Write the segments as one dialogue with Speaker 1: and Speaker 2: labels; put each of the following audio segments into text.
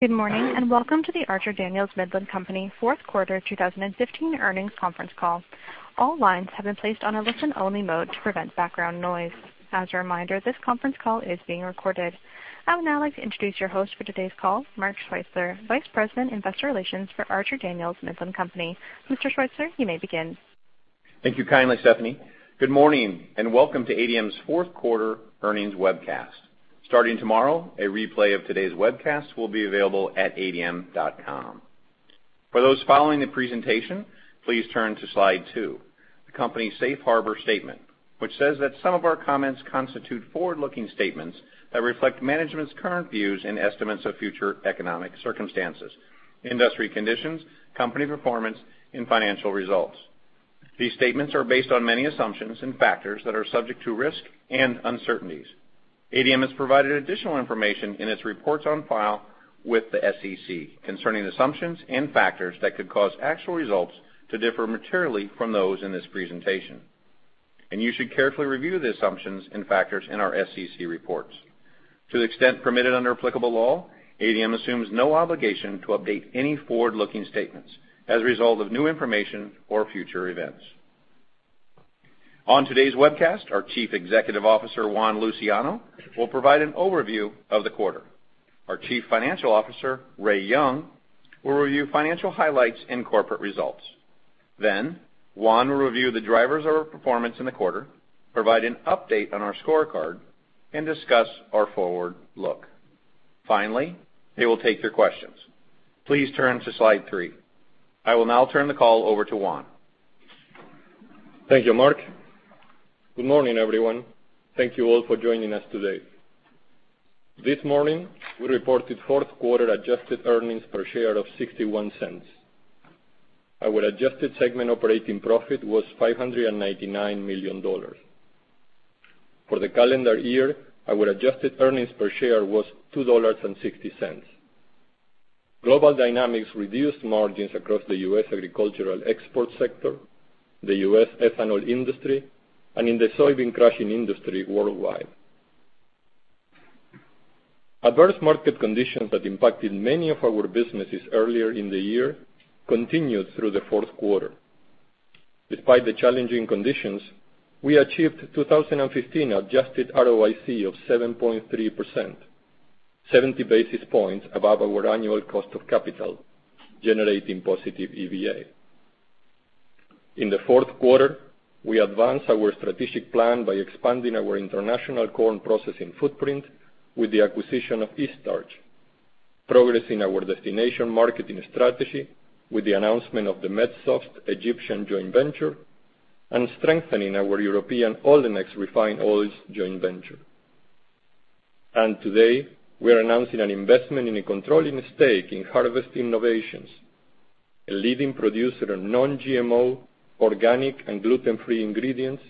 Speaker 1: Good morning, and welcome to the Archer Daniels Midland Company fourth quarter 2015 earnings conference call. All lines have been placed on a listen-only mode to prevent background noise. As a reminder, this conference call is being recorded. I would now like to introduce your host for today's call, Mark Schweitzer, Vice President, Investor Relations for Archer Daniels Midland Company. Mr. Schweitzer, you may begin.
Speaker 2: Thank you kindly, Stephanie. Good morning, and welcome to ADM's fourth quarter earnings webcast. Starting tomorrow, a replay of today's webcast will be available at adm.com. For those following the presentation, please turn to Slide 2, the company's safe harbor statement, which says that some of our comments constitute forward-looking statements that reflect management's current views and estimates of future economic circumstances, industry conditions, company performance, and financial results. These statements are based on many assumptions and factors that are subject to risk and uncertainties. ADM has provided additional information in its reports on file with the SEC concerning assumptions and factors that could cause actual results to differ materially from those in this presentation. You should carefully review the assumptions and factors in our SEC reports. To the extent permitted under applicable law, ADM assumes no obligation to update any forward-looking statements as a result of new information or future events. On today's webcast, our Chief Executive Officer, Juan Luciano, will provide an overview of the quarter. Our Chief Financial Officer, Ray Young, will review financial highlights and corporate results. Juan will review the drivers of our performance in the quarter, provide an update on our scorecard, and discuss our forward look. Finally, they will take your questions. Please turn to Slide 3. I will now turn the call over to Juan.
Speaker 3: Thank you, Mark. Good morning, everyone. Thank you all for joining us today. This morning, we reported fourth quarter adjusted earnings per share of $0.61. Our adjusted segment operating profit was $599 million. For the calendar year, our adjusted earnings per share was $2.60. Global dynamics reduced margins across the U.S. agricultural export sector, the U.S. ethanol industry, and in the soybean crushing industry worldwide. Adverse market conditions that impacted many of our businesses earlier in the year continued through the fourth quarter. Despite the challenging conditions, we achieved 2015 adjusted ROIC of 7.3%, 70 basis points above our annual cost of capital, generating positive EVA. In the fourth quarter, we advanced our strategic plan by expanding our international corn processing footprint with the acquisition of Eaststarch, progressing our destination marketing strategy with the announcement of the Medsofts Egyptian joint venture, and strengthening our European Olenex refined oils joint venture. Today, we're announcing an investment in a controlling stake in Harvest Innovations, a leading producer of non-GMO, organic, and gluten-free ingredients.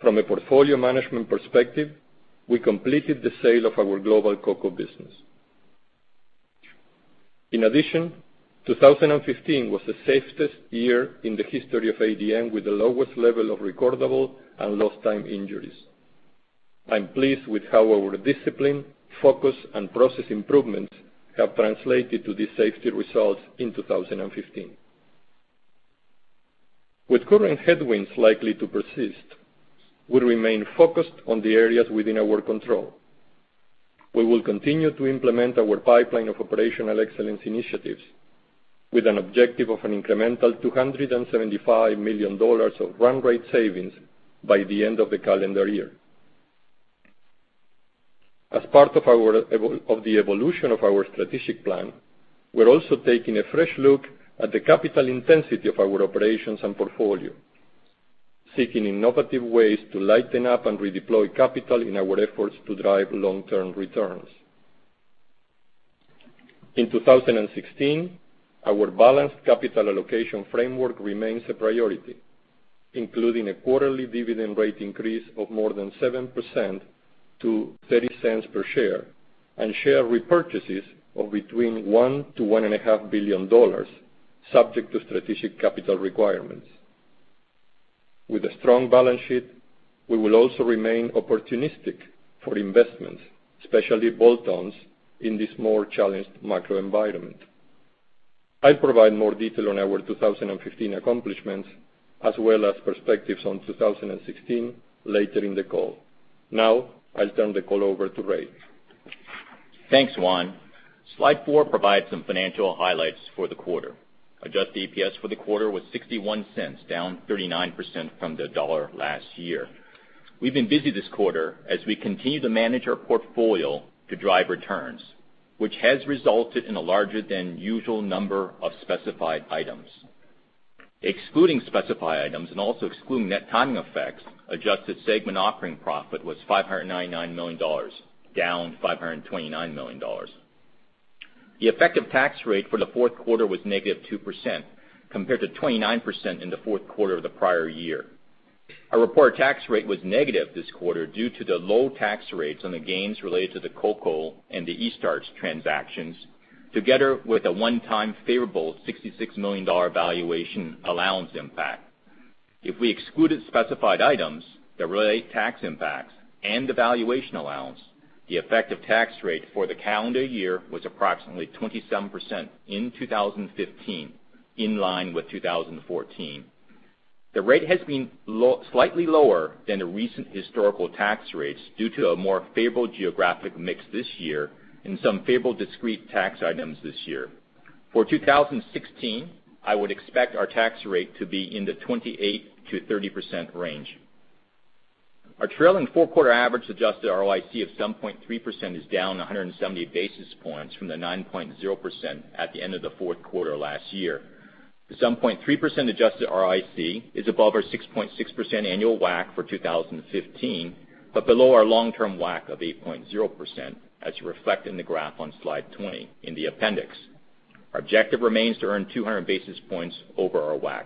Speaker 3: From a portfolio management perspective, we completed the sale of our global cocoa business. In addition, 2015 was the safest year in the history of ADM, with the lowest level of recordable and lost time injuries. I'm pleased with how our discipline, focus, and process improvements have translated to these safety results in 2015. With current headwinds likely to persist, we remain focused on the areas within our control. We will continue to implement our pipeline of operational excellence initiatives with an objective of an incremental $275 million of run rate savings by the end of the calendar year. As part of the evolution of our strategic plan, we're also taking a fresh look at the capital intensity of our operations and portfolio, seeking innovative ways to lighten up and redeploy capital in our efforts to drive long-term returns. In 2016, our balanced capital allocation framework remains a priority, including a quarterly dividend rate increase of more than 7% to $0.30 per share, and share repurchases of between $1 billion to $1.5 billion subject to strategic capital requirements. With a strong balance sheet, we will also remain opportunistic for investments, especially bolt-ons in this more challenged macro environment. I'll provide more detail on our 2015 accomplishments as well as perspectives on 2016 later in the call. Now, I'll turn the call over to Ray.
Speaker 4: Thanks, Juan. Slide four provides some financial highlights for the quarter. Adjusted EPS for the quarter was $0.61, down 39% from $1 last year. We've been busy this quarter as we continue to manage our portfolio to drive returns, which has resulted in a larger than usual number of specified items. Excluding specified items and also excluding net timing effects, adjusted segment operating profit was $599 million, down $529 million. The effective tax rate for the fourth quarter was -2%, compared to 29% in the fourth quarter of the prior year. Our reported tax rate was negative this quarter due to the low tax rates on the gains related to the cocoa and the Eaststarch transactions, together with a one-time favorable $66 million valuation allowance impact If we excluded specified items that relate tax impacts and the valuation allowance, the effective tax rate for the calendar year was approximately 27% in 2015, in line with 2014. The rate has been slightly lower than the recent historical tax rates due to a more favorable geographic mix this year and some favorable discrete tax items this year. For 2016, I would expect our tax rate to be in the 28%-30% range. Our trailing four-quarter average adjusted ROIC of 7.3% is down 170 basis points from the 9.0% at the end of the fourth quarter last year. The 7.3% adjusted ROIC is above our 6.6% annual WACC for 2015, but below our long-term WACC of 8.0%, as reflected in the graph on slide 20 in the appendix. Our objective remains to earn 200 basis points over our WACC.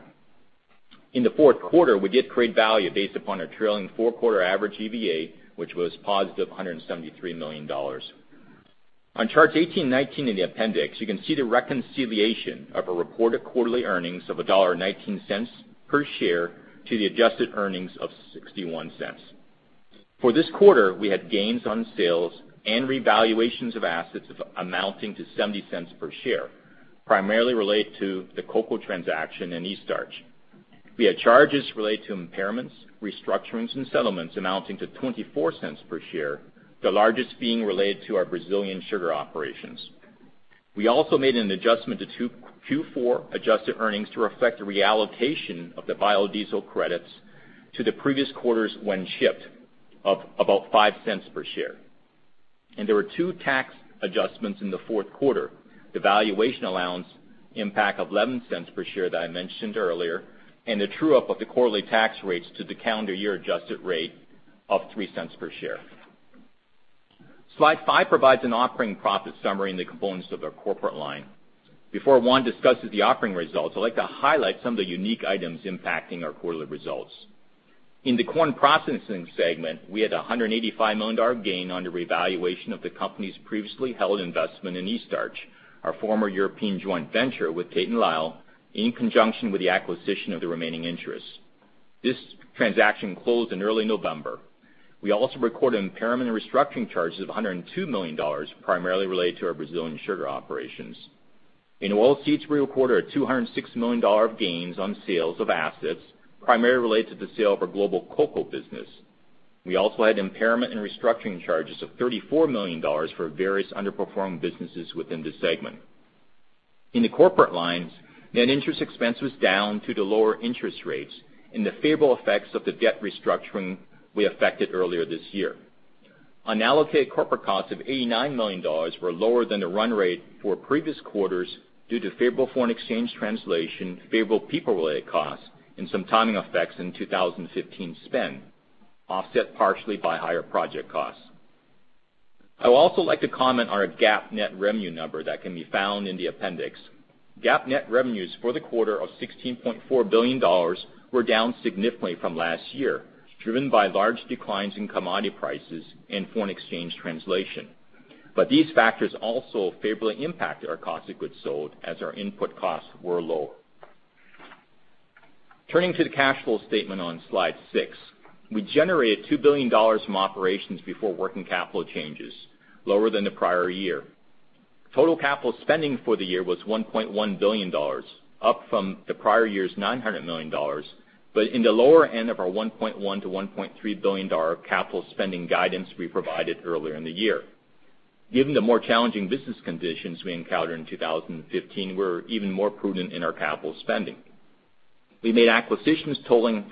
Speaker 4: In the fourth quarter, we did create value based upon our trailing four-quarter average EVA, which was positive $173 million. On charts 18, 19 in the appendix, you can see the reconciliation of a reported quarterly earnings of $1.19 per share to the adjusted earnings of $0.61. For this quarter, we had gains on sales and revaluations of assets amounting to $0.70 per share, primarily related to the cocoa transaction in Eaststarch. We had charges related to impairments, restructurings, and settlements amounting to $0.24 per share, the largest being related to our Brazilian sugar operations. We also made an adjustment to Q4 adjusted earnings to reflect the reallocation of the biodiesel credits to the previous quarters when shipped of about $0.05 per share. There were two tax adjustments in the fourth quarter, the valuation allowance impact of $0.11 per share that I mentioned earlier, and the true-up of the quarterly tax rates to the calendar year-adjusted rate of $0.03 per share. Slide five provides an operating profit summary and the components of our corporate line. Before Juan discusses the operating results, I'd like to highlight some of the unique items impacting our quarterly results. In the corn processing segment, we had a $185 million gain on the revaluation of the company's previously held investment in Eaststarch, our former European joint venture with Tate & Lyle, in conjunction with the acquisition of the remaining interests. This transaction closed in early November. We also recorded impairment and restructuring charges of $102 million, primarily related to our Brazilian sugar operations. In oilseeds, we recorded $206 million of gains on sales of assets, primarily related to the sale of our global cocoa business. We also had impairment and restructuring charges of $34 million for various underperforming businesses within the segment. In the corporate lines, net interest expense was down due to lower interest rates and the favorable effects of the debt restructuring we affected earlier this year. Unallocated corporate costs of $89 million were lower than the run rate for previous quarters due to favorable foreign exchange translation, favorable people-related costs, and some timing effects in 2015 spend, offset partially by higher project costs. I would also like to comment on our GAAP net revenue number that can be found in the appendix. GAAP net revenues for the quarter of $16.4 billion were down significantly from last year, driven by large declines in commodity prices and foreign exchange translation. These factors also favorably impacted our cost of goods sold, as our input costs were lower. Turning to the cash flow statement on slide six, we generated $2 billion from operations before working capital changes, lower than the prior year. Total capital spending for the year was $1.1 billion, up from the prior year's $900 million, but in the lower end of our $1.1 billion-$1.3 billion capital spending guidance we provided earlier in the year. Given the more challenging business conditions we encountered in 2015, we're even more prudent in our capital spending. We made acquisitions totaling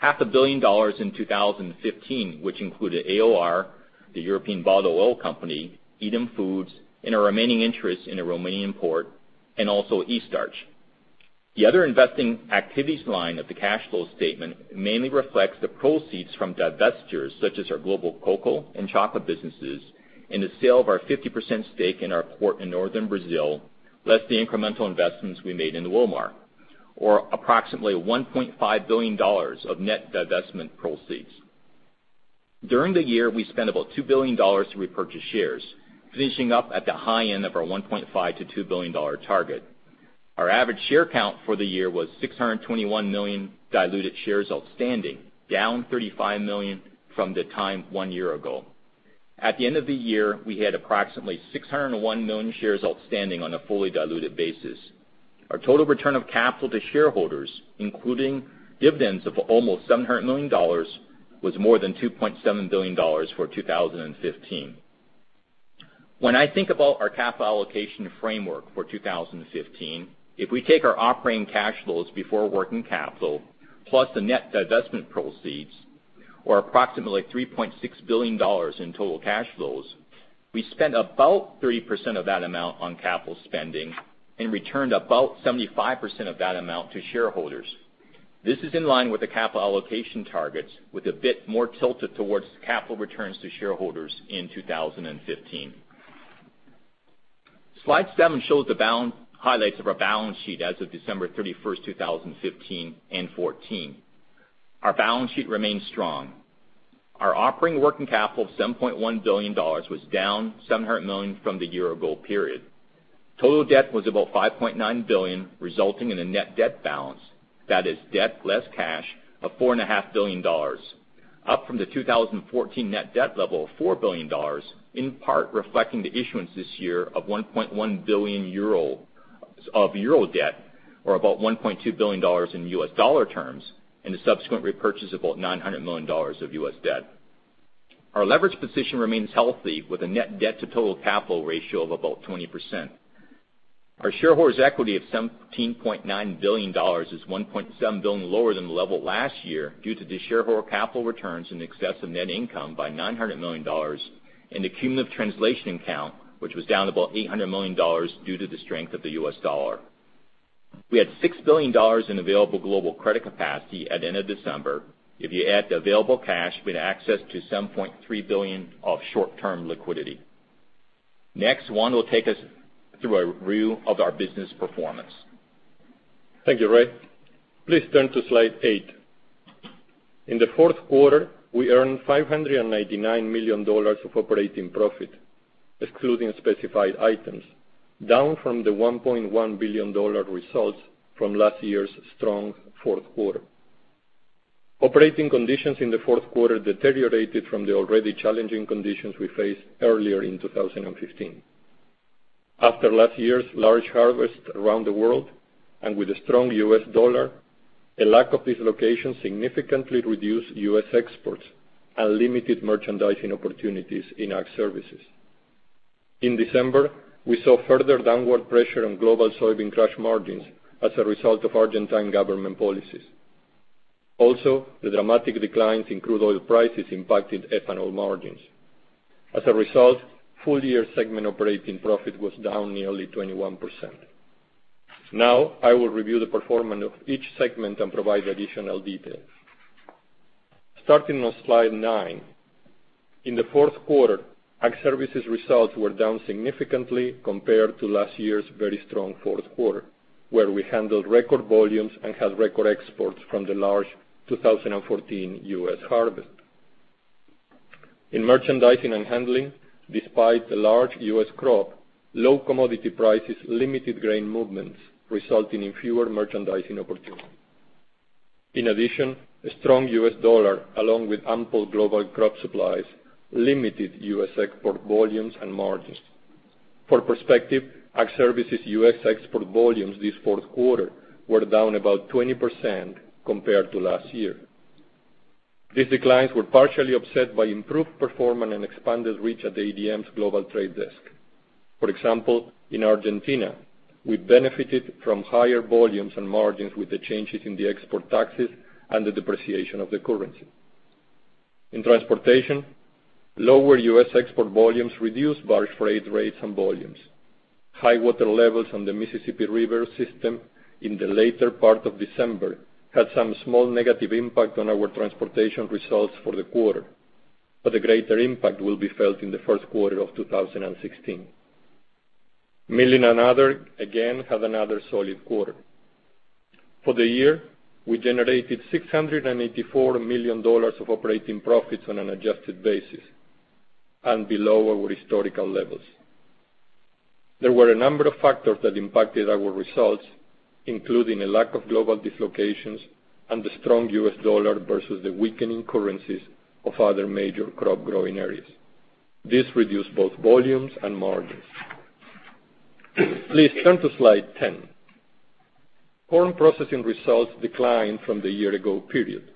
Speaker 4: half a billion dollars in 2015, which included AOR, the European bottled oil company, Eatem Foods, and our remaining interest in a Romanian port, and also Eaststarch. The other investing activities line of the cash flow statement mainly reflects the proceeds from divestitures, such as our global cocoa and chocolate businesses, and the sale of our 50% stake in our port in northern Brazil, less the incremental investments we made in Wilmar, or approximately $1.5 billion of net divestment proceeds. During the year, we spent about $2 billion to repurchase shares, finishing up at the high end of our $1.5 billion-$2 billion target. Our average share count for the year was 621 million diluted shares outstanding, down 35 million from the time one year ago. At the end of the year, we had approximately 601 million shares outstanding on a fully diluted basis. Our total return of capital to shareholders, including dividends of almost $700 million, was more than $2.7 billion for 2015. When I think about our capital allocation framework for 2015, if we take our operating cash flows before working capital, plus the net divestment proceeds, or approximately $3.6 billion in total cash flows, we spent about 30% of that amount on capital spending and returned about 75% of that amount to shareholders. This is in line with the capital allocation targets, with a bit more tilted towards capital returns to shareholders in 2015. Slide seven shows the highlights of our balance sheet as of December 31st, 2015 and 2014. Our balance sheet remains strong. Our operating working capital of $7.1 billion was down $700 million from the year ago period. Total debt was about $5.9 billion, resulting in a net debt balance. That is debt less cash of $4.5 billion, up from the 2014 net debt level of $4 billion, in part reflecting the issuance this year of 1.1 billion of euro debt, or about $1.2 billion in U.S. dollar terms, and the subsequent repurchase of about $900 million of U.S. debt. Our leverage position remains healthy with a net debt to total capital ratio of about 20%. Our shareholders' equity of $17.9 billion is $1.7 billion lower than the level last year due to the shareholder capital returns in excess of net income by $900 million and accumulated translation account, which was down about $800 million due to the strength of the U.S. dollar. We had $6 billion in available global credit capacity at the end of December. If you add the available cash with access to $7.3 billion of short-term liquidity. Next, Juan will take us through a review of our business performance.
Speaker 3: Thank you, Ray. Please turn to slide eight. In the fourth quarter, we earned $599 million of operating profit, excluding specified items, down from the $1.1 billion results from last year's strong fourth quarter. Operating conditions in the fourth quarter deteriorated from the already challenging conditions we faced earlier in 2015. With a strong U.S. dollar, a lack of dislocation significantly reduced U.S. exports and limited merchandising opportunities in Ag Services. In December, we saw further downward pressure on global soybean crush margins as a result of Argentine government policies. The dramatic declines in crude oil prices impacted ethanol margins. As a result, full-year segment operating profit was down nearly 21%. I will review the performance of each segment and provide additional details. Starting on slide nine. In the fourth quarter, Ag Services results were down significantly compared to last year's very strong fourth quarter, where we handled record volumes and had record exports from the large 2014 U.S. harvest. In merchandising and handling, despite the large U.S. crop, low commodity prices limited grain movements, resulting in fewer merchandising opportunities. A strong U.S. dollar, along with ample global crop supplies, limited U.S. export volumes and margins. For perspective, Ag Services U.S. export volumes this fourth quarter were down about 20% compared to last year. These declines were partially offset by improved performance and expanded reach at ADM's global trade desk. In Argentina, we benefited from higher volumes and margins with the changes in the export taxes and the depreciation of the currency. In transportation, lower U.S. export volumes reduced barge freight rates and volumes. High water levels on the Mississippi River system in the later part of December had some small negative impact on our transportation results for the quarter, but a greater impact will be felt in the first quarter of 2016. Milling and other, again, had another solid quarter. For the year, we generated $684 million of operating profits on an adjusted basis and below our historical levels. There were a number of factors that impacted our results, including a lack of global dislocations and the strong U.S. dollar versus the weakening currencies of other major crop growing areas. This reduced both volumes and margins. Please turn to slide 10. Corn processing results declined from the year ago period.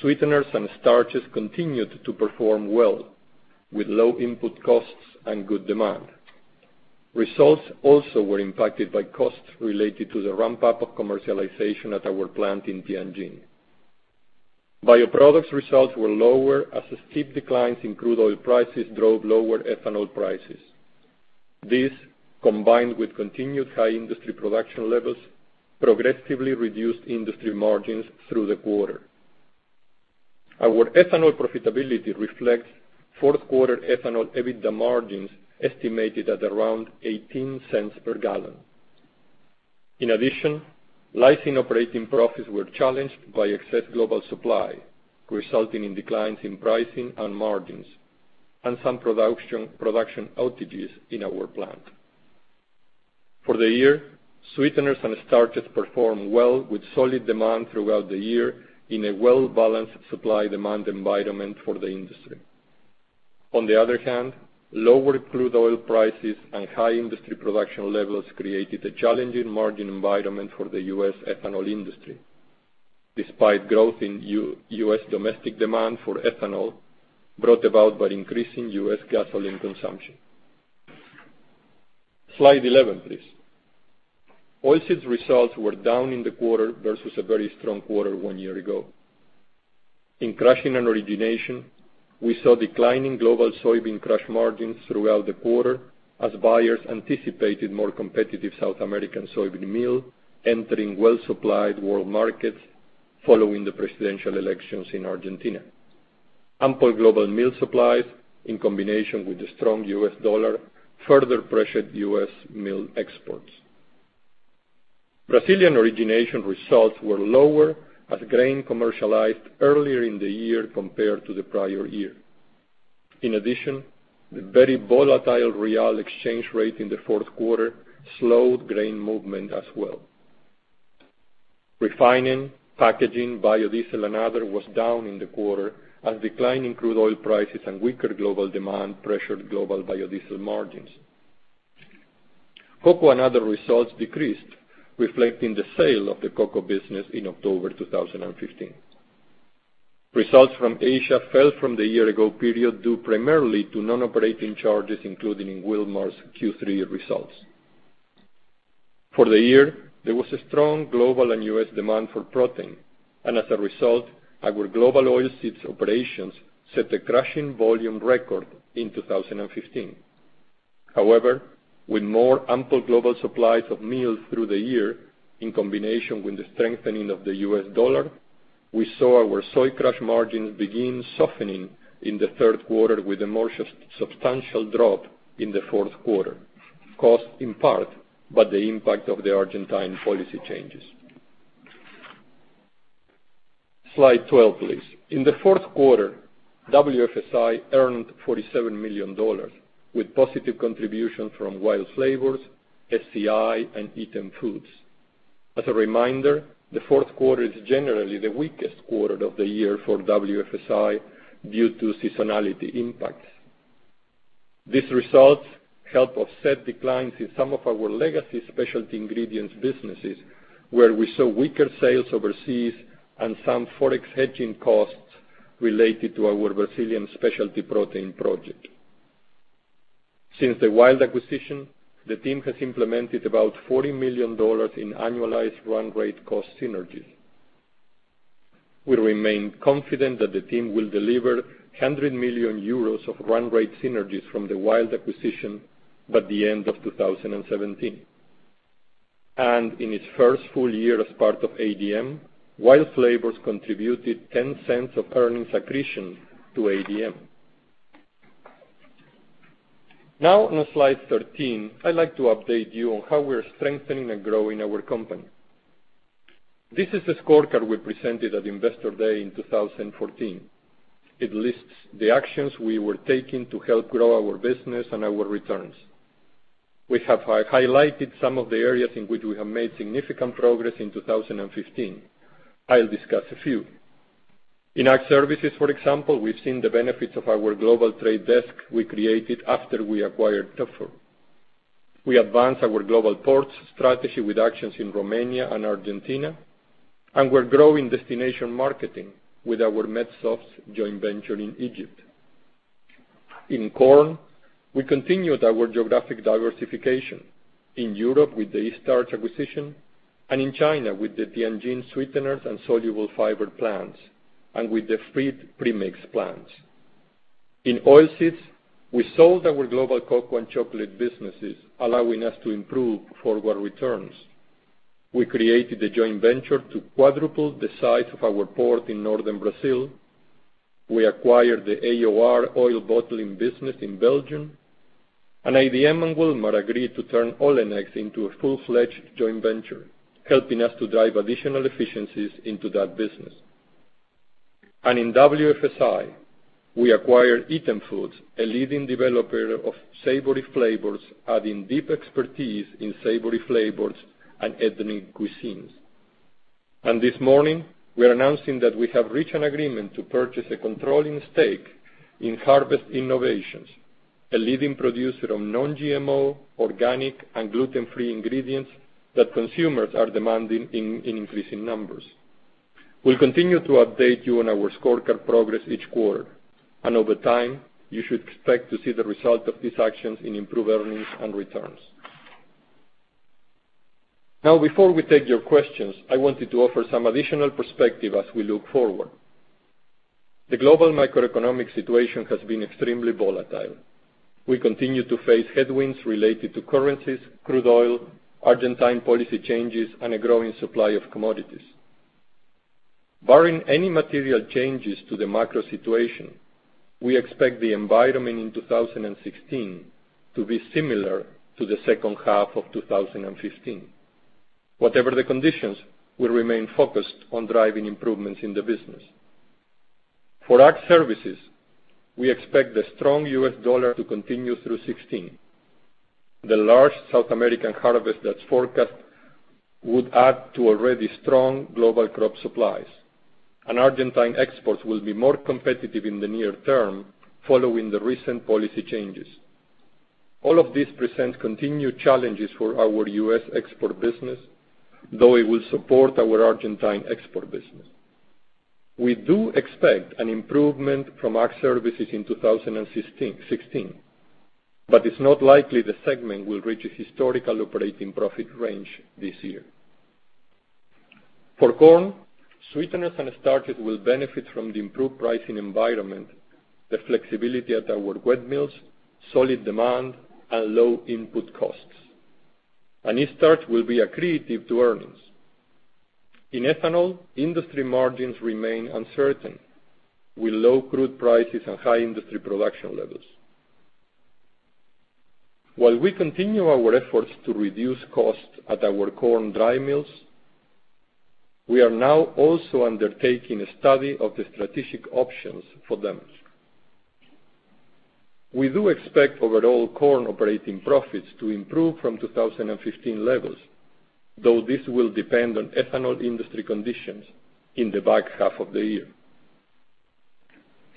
Speaker 3: Sweeteners and starches continued to perform well with low input costs and good demand. Results also were impacted by costs related to the ramp-up of commercialization at our plant in Tianjin. Bioproducts results were lower as steep declines in crude oil prices drove lower ethanol prices. This, combined with continued high industry production levels, progressively reduced industry margins through the quarter. Our ethanol profitability reflects fourth quarter ethanol EBITDA margins estimated at around $0.18 per gallon. In addition, lysine operating profits were challenged by excess global supply, resulting in declines in pricing and margins and some production outages in our plant. For the year, sweeteners and starches performed well with solid demand throughout the year in a well-balanced supply-demand environment for the industry. On the other hand, lower crude oil prices and high industry production levels created a challenging margin environment for the U.S. ethanol industry, despite growth in U.S. domestic demand for ethanol brought about by increasing U.S. gasoline consumption. Slide 11, please. Oilseeds results were down in the quarter versus a very strong quarter one year ago. In crushing and origination, we saw declining global soybean crush margins throughout the quarter as buyers anticipated more competitive South American soybean meal entering well-supplied world markets following the presidential elections in Argentina. Ample global meal supplies in combination with the strong U.S. dollar further pressured U.S. meal exports. Brazilian origination results were lower as grain commercialized earlier in the year compared to the prior year. In addition, the very volatile real exchange rate in the fourth quarter slowed grain movement as well. Refining, packaging, biodiesel, and other was down in the quarter as declining crude oil prices and weaker global demand pressured global biodiesel margins. Cocoa and other results decreased, reflecting the sale of the cocoa business in October 2015. Results from Asia fell from the year-ago period, due primarily to non-operating charges, including Wilmar's Q3 results. For the year, there was a strong global and U.S. demand for protein, as a result, our global oilseeds operations set the crushing volume record in 2015. However, with more ample global supplies of meal through the year, in combination with the strengthening of the U.S. dollar, we saw our soy crush margins begin softening in the third quarter with a more substantial drop in the fourth quarter. Cost, in part, but the impact of the Argentine policy changes. Slide 12, please. In the fourth quarter, WFSI earned $47 million with positive contribution from WILD Flavors, FCI, and Eatem Foods. As a reminder, the fourth quarter is generally the weakest quarter of the year for WFSI due to seasonality impacts. These results help offset declines in some of our legacy specialty ingredients businesses, where we saw weaker sales overseas and some Forex hedging costs related to our Brazilian specialty protein project. Since the WILD acquisition, the team has implemented about $40 million in annualized run rate cost synergies. We remain confident that the team will deliver 100 million euros of run rate synergies from the WILD acquisition by the end of 2017. In its first full year as part of ADM, WILD Flavors contributed $0.10 of earnings accretion to ADM. Now on Slide 13, I'd like to update you on how we're strengthening and growing our company. This is a scorecard we presented at Investor Day in 2014. It lists the actions we were taking to help grow our business and our returns. We have highlighted some of the areas in which we have made significant progress in 2015. I'll discuss a few. In Ag Services, for example, we've seen the benefits of our global trade desk we created after we acquired Toepfer International. We advanced our global ports strategy with actions in Romania and Argentina, and we're growing destination marketing with our Medsofts joint venture in Egypt. In corn, we continued our geographic diversification. In Europe with the Eaststarch acquisition, and in China with the Tianjin sweeteners and soluble fiber plants, and with the feed premix plants. In oilseeds, we sold our global cocoa and chocolate businesses, allowing us to improve forward returns. We created a joint venture to quadruple the size of our port in Northern Brazil. We acquired the AOR oil bottling business in Belgium, and ADM and Wilmar agreed to turn Olenex into a full-fledged joint venture, helping us to drive additional efficiencies into that business. In WFSI, we acquired Eatem Foods, a leading developer of savory flavors, adding deep expertise in savory flavors and ethnic cuisines. This morning, we are announcing that we have reached an agreement to purchase a controlling stake in Harvest Innovations, a leading producer of non-GMO, organic, and gluten-free ingredients that consumers are demanding in increasing numbers. We'll continue to update you on our scorecard progress each quarter, and over time, you should expect to see the result of these actions in improved earnings and returns. Before we take your questions, I wanted to offer some additional perspective as we look forward. The global macroeconomic situation has been extremely volatile. We continue to face headwinds related to currencies, crude oil, Argentine policy changes, and a growing supply of commodities. Barring any material changes to the macro situation, we expect the environment in 2016 to be similar to the second half of 2015. Whatever the conditions, we remain focused on driving improvements in the business. For Ag Services, we expect the strong US dollar to continue through 2016. The large South American harvest that's forecast would add to already strong global crop supplies, and Argentine exports will be more competitive in the near term following the recent policy changes. All of this presents continued challenges for our U.S. export business, though it will support our Argentine export business. We do expect an improvement from Ag Services in 2016, but it's not likely the segment will reach its historical operating profit range this year. For corn, sweeteners and starches will benefit from the improved pricing environment, the flexibility at our wet mills, solid demand, and low input costs. Eaststarch will be accretive to earnings. In ethanol, industry margins remain uncertain, with low crude prices and high industry production levels. While we continue our efforts to reduce costs at our corn dry mills, we are now also undertaking a study of the strategic options for them. We do expect overall corn operating profits to improve from 2015 levels, though this will depend on ethanol industry conditions in the back half of the year.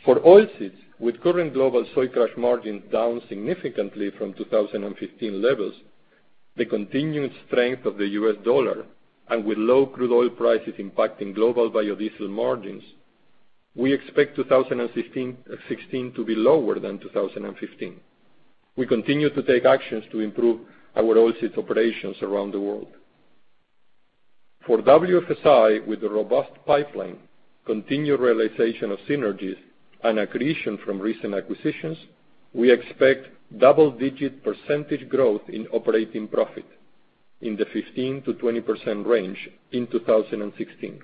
Speaker 3: For oilseeds, with current global soy crush margins down significantly from 2015 levels, the continued strength of the US dollar, and with low crude oil prices impacting global biodiesel margins, we expect 2016 to be lower than 2015. We continue to take actions to improve our oilseeds operations around the world. For WFSI, with a robust pipeline, continued realization of synergies, and accretion from recent acquisitions, we expect double-digit % growth in operating profit in the 15%-20% range in 2016.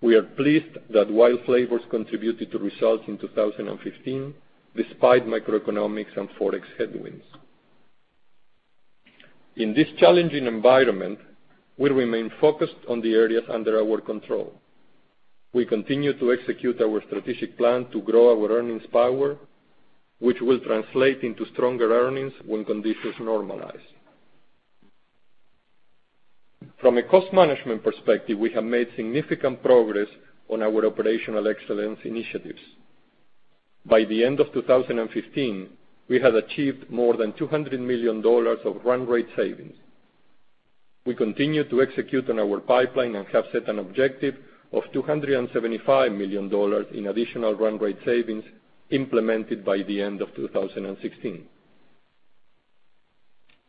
Speaker 3: We are pleased that WILD Flavors contributed to results in 2015, despite macroeconomics and forex headwinds. In this challenging environment, we remain focused on the areas under our control. We continue to execute our strategic plan to grow our earnings power, which will translate into stronger earnings when conditions normalize. From a cost management perspective, we have made significant progress on our operational excellence initiatives. By the end of 2015, we had achieved more than $200 million of run rate savings. We continue to execute on our pipeline and have set an objective of $275 million in additional run rate savings implemented by the end of 2016.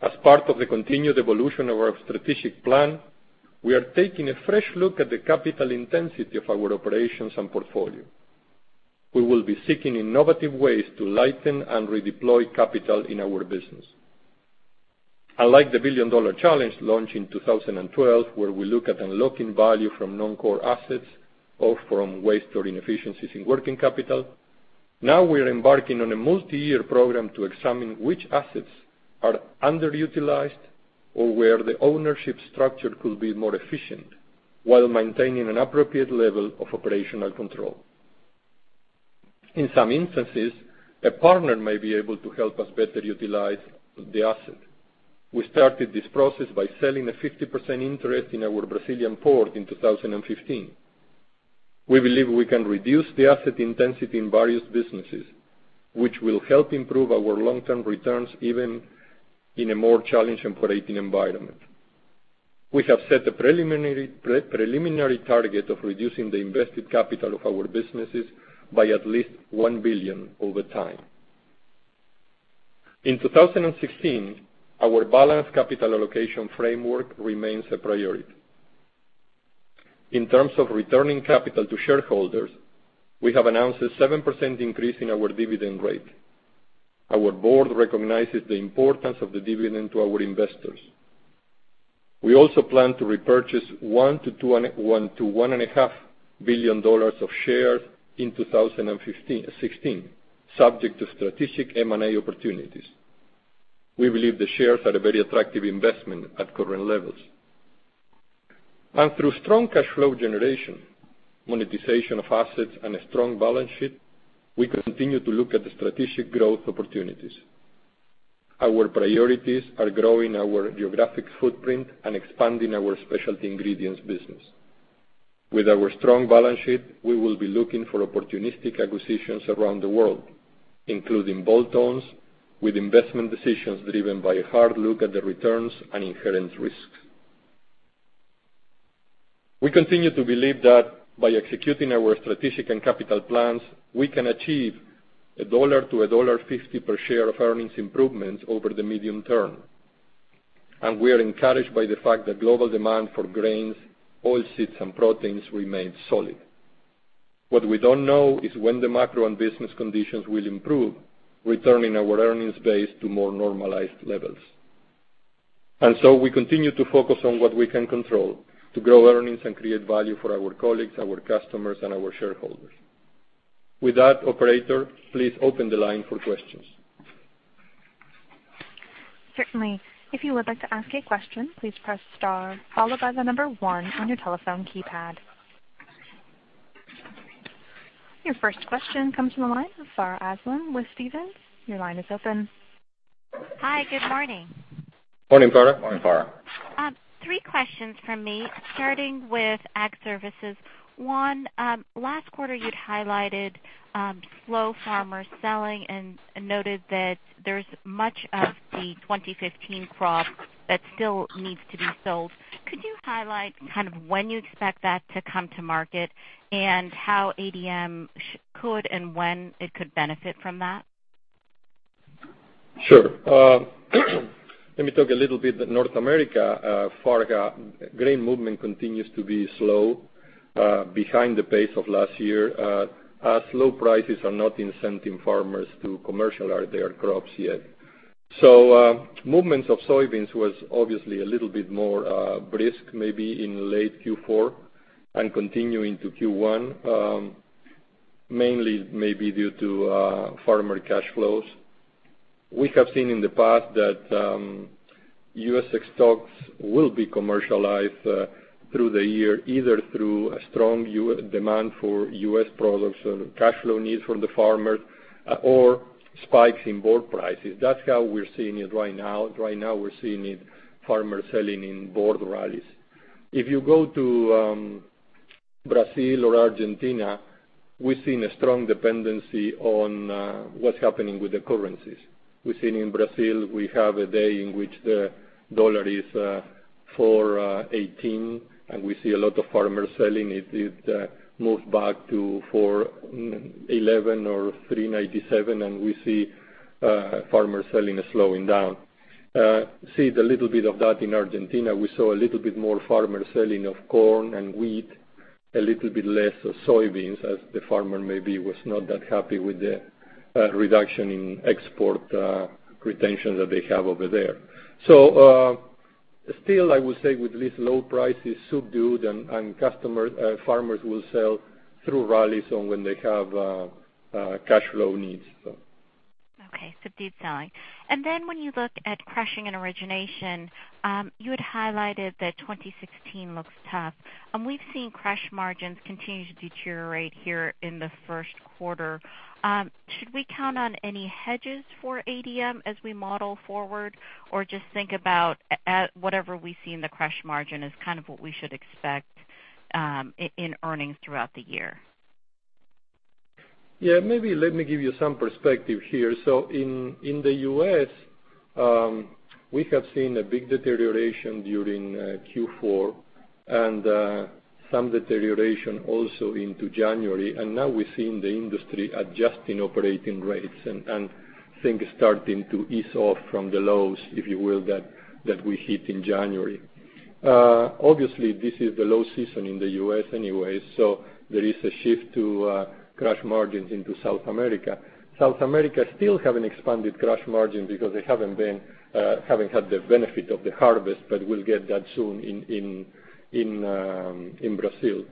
Speaker 3: As part of the continued evolution of our strategic plan, we are taking a fresh look at the capital intensity of our operations and portfolio. We will be seeking innovative ways to lighten and redeploy capital in our business. Unlike the Billion Dollar Challenge launched in 2012, where we look at unlocking value from non-core assets or from waste or inefficiencies in working capital, now we're embarking on a multi-year program to examine which assets are underutilized or where the ownership structure could be more efficient while maintaining an appropriate level of operational control. In some instances, a partner may be able to help us better utilize the asset. We started this process by selling a 50% interest in our Brazilian port in 2015. We believe we can reduce the asset intensity in various businesses, which will help improve our long-term returns, even in a more challenging operating environment. We have set a preliminary target of reducing the invested capital of our businesses by at least 1 billion over time. In 2016, our balanced capital allocation framework remains a priority. In terms of returning capital to shareholders, we have announced a 7% increase in our dividend rate. Our board recognizes the importance of the dividend to our investors. We also plan to repurchase $1 billion-$1.5 billion of shares in 2016, subject to strategic M&A opportunities. We believe the shares are a very attractive investment at current levels. Through strong cash flow generation, monetization of assets, and a strong balance sheet, we continue to look at the strategic growth opportunities. Our priorities are growing our geographic footprint and expanding our specialty ingredients business. With our strong balance sheet, we will be looking for opportunistic acquisitions around the world, including bolt-ons, with investment decisions driven by a hard look at the returns and inherent risks. We continue to believe that by executing our strategic and capital plans, we can achieve $1 to $1.50 per share of earnings improvements over the medium term. We are encouraged by the fact that global demand for grains, oilseeds, and proteins remains solid. What we don't know is when the macro and business conditions will improve, returning our earnings base to more normalized levels. We continue to focus on what we can control to grow earnings and create value for our colleagues, our customers, and our shareholders. With that, operator, please open the line for questions.
Speaker 1: Certainly. If you would like to ask a question, please press star followed by the number one on your telephone keypad. Your first question comes from the line of Farha Aslam with Stephens. Your line is open.
Speaker 5: Hi, good morning.
Speaker 4: Morning, Farha. Morning, Farha.
Speaker 5: Three questions from me, starting with Ag Services. One, last quarter you'd highlighted slow farmer selling and noted that there's much of the 2015 crop that still needs to be sold. Could you highlight when you expect that to come to market, and how ADM could, and when it could benefit from that?
Speaker 3: Sure. Let me talk a little bit North America, Farha. Grain movement continues to be slow behind the pace of last year, as low prices are not incenting farmers to commercialize their crops yet. Movements of soybeans was obviously a little bit more brisk, maybe in late Q4 and continuing to Q1, mainly maybe due to farmer cash flows. We have seen in the past that U.S. stocks will be commercialized through the year, either through a strong demand for U.S. products or cash flow needs from the farmers or spikes in board prices. That's how we're seeing it right now, farmers selling in board rallies. If you go to Brazil or Argentina, we're seeing a strong dependency on what's happening with the currencies. We're seeing in Brazil, we have a day in which the dollar is 4.18, and we see a lot of farmers selling. It moved back to 4.11 or 3.97, and we see farmers selling is slowing down. We see a little bit of that in Argentina. We saw a little bit more farmers selling of corn and wheat, a little bit less of soybeans as the farmer maybe was not that happy with the reduction in export retention that they have over there. Still, I would say with these low prices subdued and farmers will sell through rallies on when they have cash flow needs.
Speaker 5: Okay. Subdued selling. Then when you look at crushing and origination, you had highlighted that 2016 looks tough. We've seen crush margins continue to deteriorate here in the first quarter. Should we count on any hedges for ADM as we model forward, or just think about whatever we see in the crush margin is kind of what we should expect in earnings throughout the year?
Speaker 3: Yeah, maybe let me give you some perspective here. In the U.S., we have seen a big deterioration during Q4 and some deterioration also into January. Now we're seeing the industry adjusting operating rates and things starting to ease off from the lows, if you will, that we hit in January. Obviously, this is the low season in the U.S. anyway, so there is a shift to crush margins into South America. South America still have an expanded crush margin because they haven't had the benefit of the harvest, but we'll get that soon in Brazil.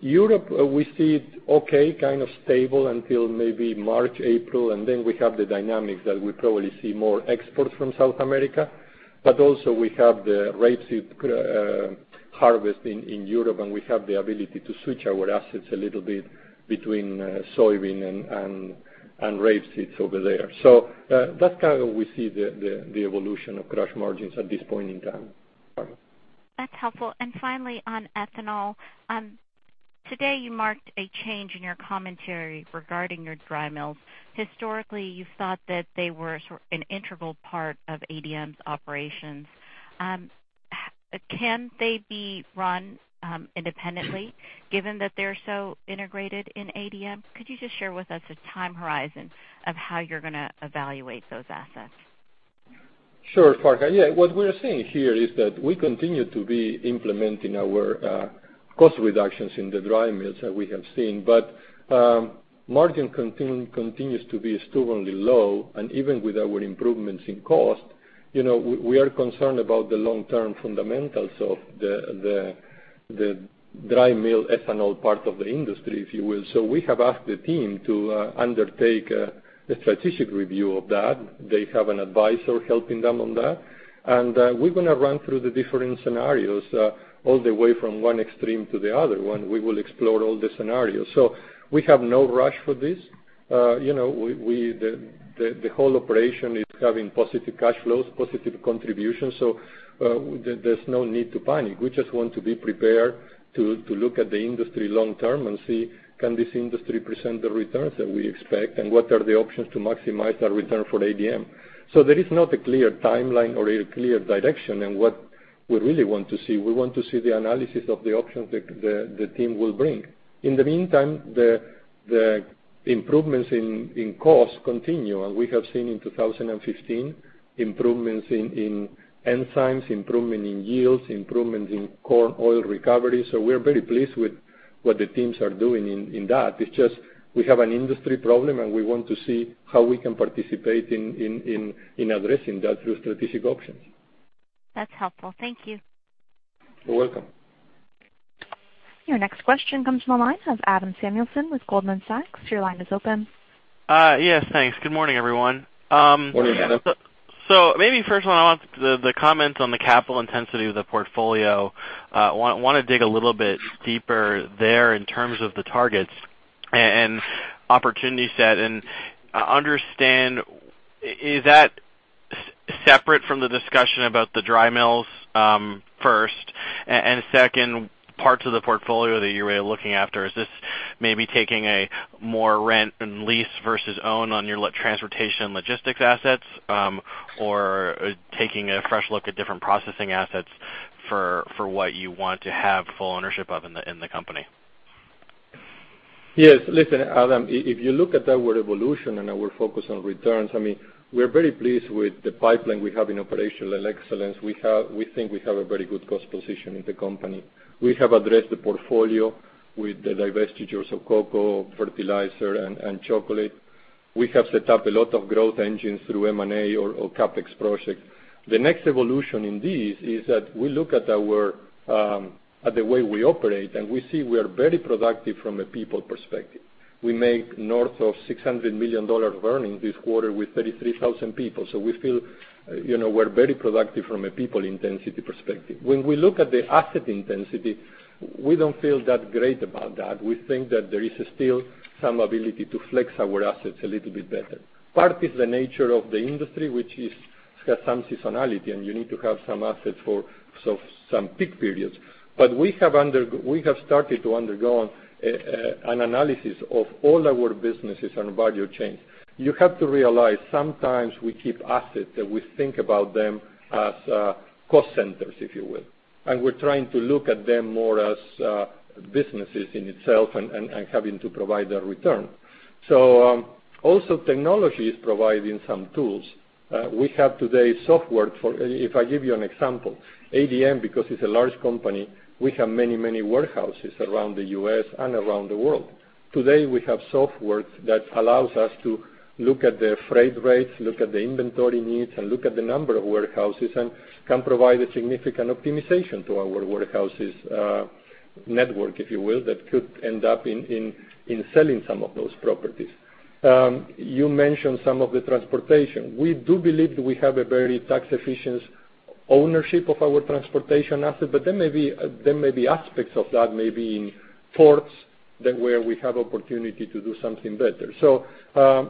Speaker 3: Europe, we see it okay, kind of stable until maybe March, April. We have the dynamics that we probably see more exports from South America. Also we have the rapeseed harvest in Europe, and we have the ability to switch our assets a little bit between soybean and rapeseed over there. That's kind of we see the evolution of crush margins at this point in time.
Speaker 5: That's helpful. Finally, on ethanol. Today you marked a change in your commentary regarding your dry mills. Historically, you thought that they were sort of an integral part of ADM's operations. Can they be run independently given that they're so integrated in ADM? Could you just share with us a time horizon of how you're going to evaluate those assets?
Speaker 3: Sure, Farha. What we are saying here is that we continue to be implementing our cost reductions in the dry mills that we have seen, but margin continues to be stubbornly low, and even with our improvements in cost, we are concerned about the long-term fundamentals of the dry mill ethanol part of the industry, if you will. We have asked the team to undertake a strategic review of that. They have an advisor helping them on that. We're going to run through the different scenarios all the way from one extreme to the other one. We will explore all the scenarios. We have no rush for this. The whole operation is having positive cash flows, positive contributions. There's no need to panic. We just want to be prepared to look at the industry long-term and see, can this industry present the returns that we expect, and what are the options to maximize our return for ADM? There is not a clear timeline or a clear direction in what we really want to see. We want to see the analysis of the options the team will bring. In the meantime, the improvements in cost continue, and we have seen in 2015 improvements in enzymes, improvement in yields, improvements in corn oil recovery. We are very pleased with what the teams are doing in that. It's just we have an industry problem, and we want to see how we can participate in addressing that through strategic options.
Speaker 5: That's helpful. Thank you.
Speaker 3: You're welcome.
Speaker 1: Your next question comes from the line of Adam Samuelson with Goldman Sachs. Your line is open.
Speaker 6: Yes, thanks. Good morning, everyone.
Speaker 3: Morning, Adam.
Speaker 6: Maybe first one, I want the comments on the capital intensity of the portfolio. I want to dig a little bit deeper there in terms of the targets and opportunity set and understand, is that separate from the discussion about the dry mills first? Second, parts of the portfolio that you were looking after, is this maybe taking a more rent and lease versus own on your transportation logistics assets? Taking a fresh look at different processing assets for what you want to have full ownership of in the company?
Speaker 3: Yes. Listen, Adam, if you look at our evolution and our focus on returns, we're very pleased with the pipeline we have in operational excellence. We think we have a very good cost position in the company. We have addressed the portfolio with the divestitures of cocoa, fertilizer, and chocolate. We have set up a lot of growth engines through M&A or CapEx projects. The next evolution in this is that we look at the way we operate, and we see we are very productive from a people perspective. We make north of $600 million earnings this quarter with 33,000 people. We feel we're very productive from a people intensity perspective. When we look at the asset intensity, we don't feel that great about that. We think that there is still some ability to flex our assets a little bit better. Part is the nature of the industry, which has some seasonality, and you need to have some assets for some peak periods. We have started to undergo an analysis of all our businesses and value chains. You have to realize, sometimes we keep assets that we think about them as cost centers, if you will, and we're trying to look at them more as businesses in itself and having to provide a return. Also technology is providing some tools. We have today software. If I give you an example, ADM, because it's a large company, we have many warehouses around the U.S. and around the world. Today, we have software that allows us to look at the freight rates, look at the inventory needs, and look at the number of warehouses, and can provide a significant optimization to our warehouses network, if you will, that could end up in selling some of those properties. You mentioned some of the transportation. We do believe that we have a very tax efficient ownership of our transportation asset, but there may be aspects of that, maybe in ports, that where we have opportunity to do something better.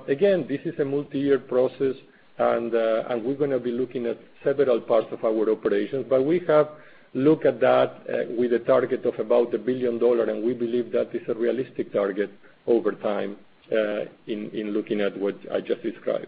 Speaker 3: Again, this is a multi-year process, and we're going to be looking at several parts of our operations. We have looked at that with a target of about $1 billion, and we believe that is a realistic target over time, in looking at what I just described.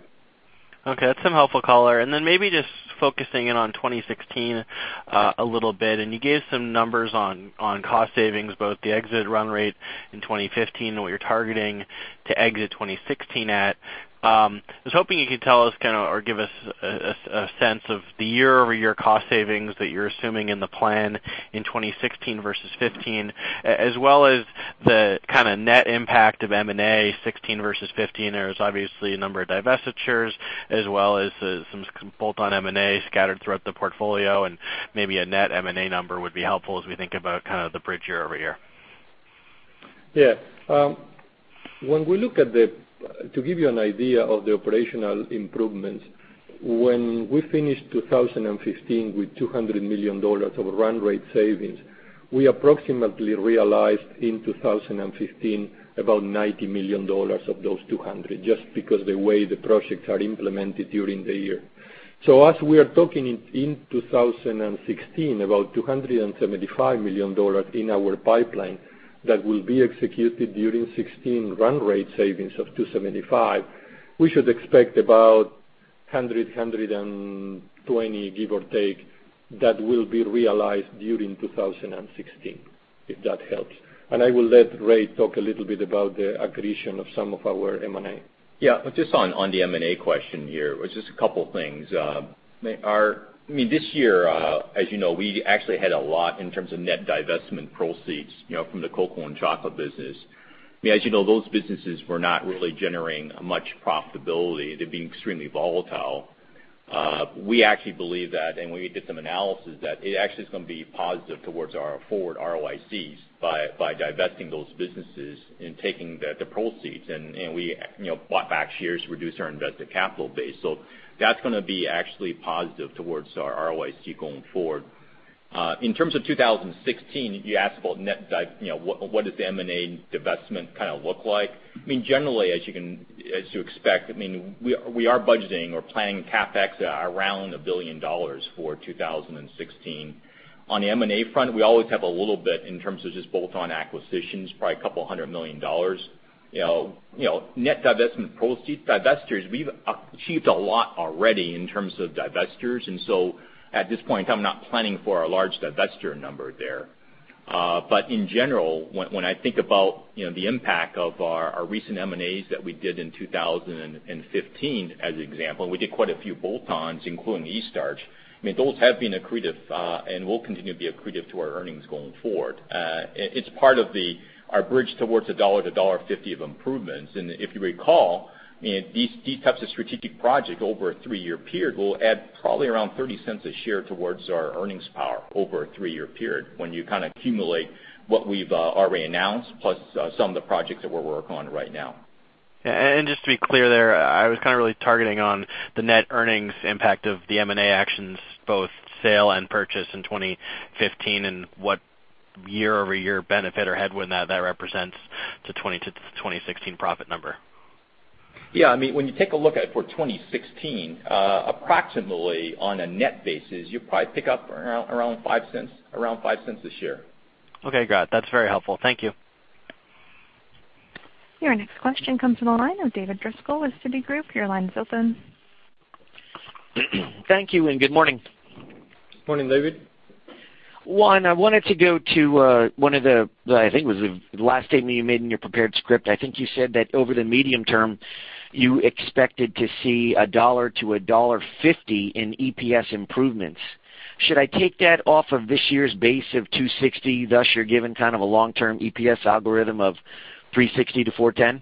Speaker 6: Okay, that's some helpful color. Maybe just focusing in on 2016 a little bit, and you gave some numbers on cost savings, both the exit run rate in 2015 and what you're targeting to exit 2016 at. I was hoping you could tell us or give us a sense of the year-over-year cost savings that you're assuming in the plan in 2016 versus 2015, as well as the net impact of M&A 2016 versus 2015. There's obviously a number of divestitures as well as some bolt-on M&A scattered throughout the portfolio, and maybe a net M&A number would be helpful as we think about the bridge year-over-year.
Speaker 3: Yeah. To give you an idea of the operational improvements, when we finished 2015 with $200 million of run rate savings, we approximately realized in 2015 about $90 million of those 200, just because the way the projects are implemented during the year. As we are talking in 2016, about $275 million in our pipeline that will be executed during 2016 run rate savings of 275, we should expect about $100 million, $120 million, give or take, that will be realized during 2016, if that helps. I will let Ray talk a little bit about the accretion of some of our M&A.
Speaker 4: Yeah. Just on the M&A question here, just a couple of things. This year, as you know, we actually had a lot in terms of net divestment proceeds from the cocoa and chocolate business. As you know, those businesses were not really generating much profitability. They've been extremely volatile. We actually believe that, and we did some analysis, that it actually is going to be positive towards our forward ROICs by divesting those businesses and taking the proceeds. We bought back shares to reduce our invested capital base. That's going to be actually positive towards our ROIC going forward. In terms of 2016, you asked about what does the M&A divestment kind of look like. Generally, as you expect, we are budgeting or planning CapEx around $1 billion for 2016. On the M&A front, we always have a little bit in terms of just bolt-on acquisitions, probably $200 million. Net divestment proceeds, we've achieved a lot already in terms of divestitures. At this point, I'm not planning for a large divestiture number there. In general, when I think about the impact of our recent M&As that we did in 2015 as an example, and we did quite a few bolt-ons, including Eaststarch, those have been accretive, and will continue to be accretive to our earnings going forward. It's part of our bridge towards $1.00 to $1.50 of improvements. If you recall, these types of strategic projects over a three-year period will add probably around $0.30 a share towards our earnings power over a three-year period when you accumulate what we've already announced, plus some of the projects that we're working on right now.
Speaker 6: Yeah, just to be clear there, I was really targeting on the net earnings impact of the M&A actions, both sale and purchase in 2015, and what year-over-year benefit or headwind that represents to 2016 profit number.
Speaker 4: Yeah. When you take a look at for 2016, approximately on a net basis, you'll probably pick up around $0.05 a share.
Speaker 6: Okay, got it. That's very helpful. Thank you.
Speaker 1: Your next question comes from the line of David Driscoll with Citigroup. Your line is open.
Speaker 7: Thank you, and good morning.
Speaker 3: Morning, David.
Speaker 7: Juan, I wanted to go to one of the, I think it was the last statement you made in your prepared script. I think you said that over the medium term, you expected to see $1.00 to $1.50 in EPS improvements. Should I take that off of this year's base of $2.60, thus you're given kind of a long-term EPS algorithm of $3.60 to $4.10?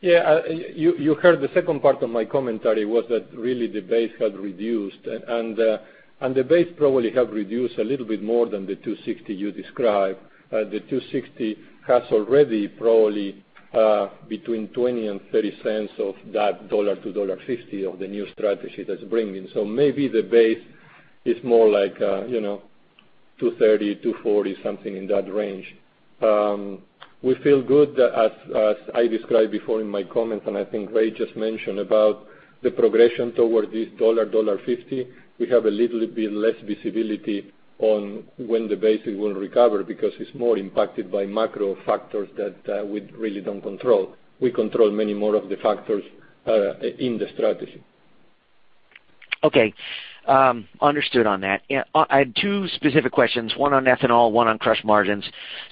Speaker 3: Yeah. You heard the second part of my commentary was that really the base has reduced, and the base probably have reduced a little bit more than the $2.60 you described. The $2.60 has already probably between $0.20 and $0.30 of that $1.00 to $1.50 of the new strategy that's bringing. Maybe the base is more like $2.30, $2.40, something in that range. We feel good as I described before in my comments, and I think Ray just mentioned about the progression towards this $1.00, $1.50. We have a little bit less visibility on when the base will recover because it's more impacted by macro factors that we really don't control. We control many more of the factors in the strategy.
Speaker 7: Okay. Understood on that. I had two specific questions, one on ethanol, one on crush margins.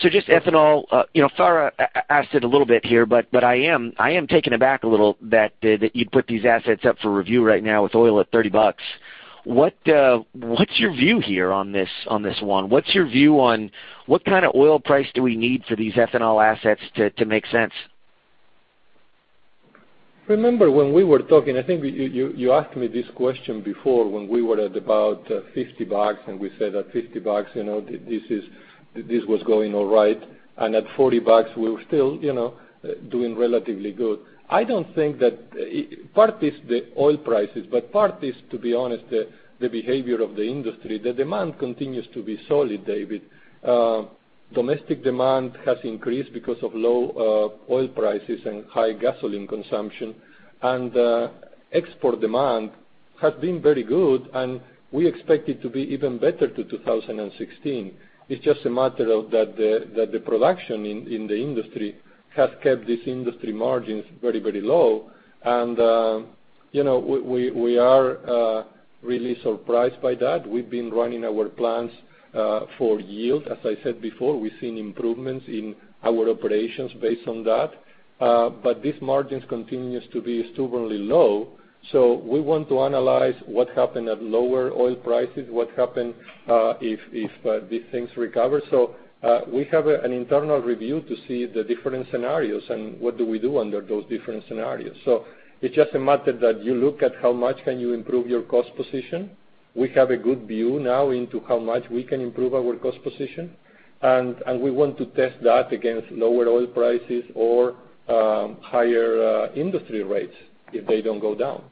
Speaker 7: Just ethanol, Farha asked it a little bit here, but I am taken aback a little that you put these assets up for review right now with oil at $30. What's your view here on this one Juan? What's your view on what kind of oil price do we need for these ethanol assets to make sense?
Speaker 3: Remember when we were talking, I think you asked me this question before when we were at about $50. We said at $50, this was going all right. At $40, we were still doing relatively good. I don't think that part is the oil prices. Part is, to be honest, the behavior of the industry. The demand continues to be solid, David. Domestic demand has increased because of low oil prices and high gasoline consumption. Export demand has been very good, and we expect it to be even better to 2016. It's just a matter of that the production in the industry has kept these industry margins very low. We are really surprised by that. We've been running our plants for yield. As I said before, we've seen improvements in our operations based on that. These margins continues to be stubbornly low. We want to analyze what happened at lower oil prices, what happened if these things recover. We have an internal review to see the different scenarios and what do we do under those different scenarios. It's just a matter that you look at how much can you improve your cost position. We have a good view now into how much we can improve our cost position. We want to test that against lower oil prices or higher industry rates if they don't go down.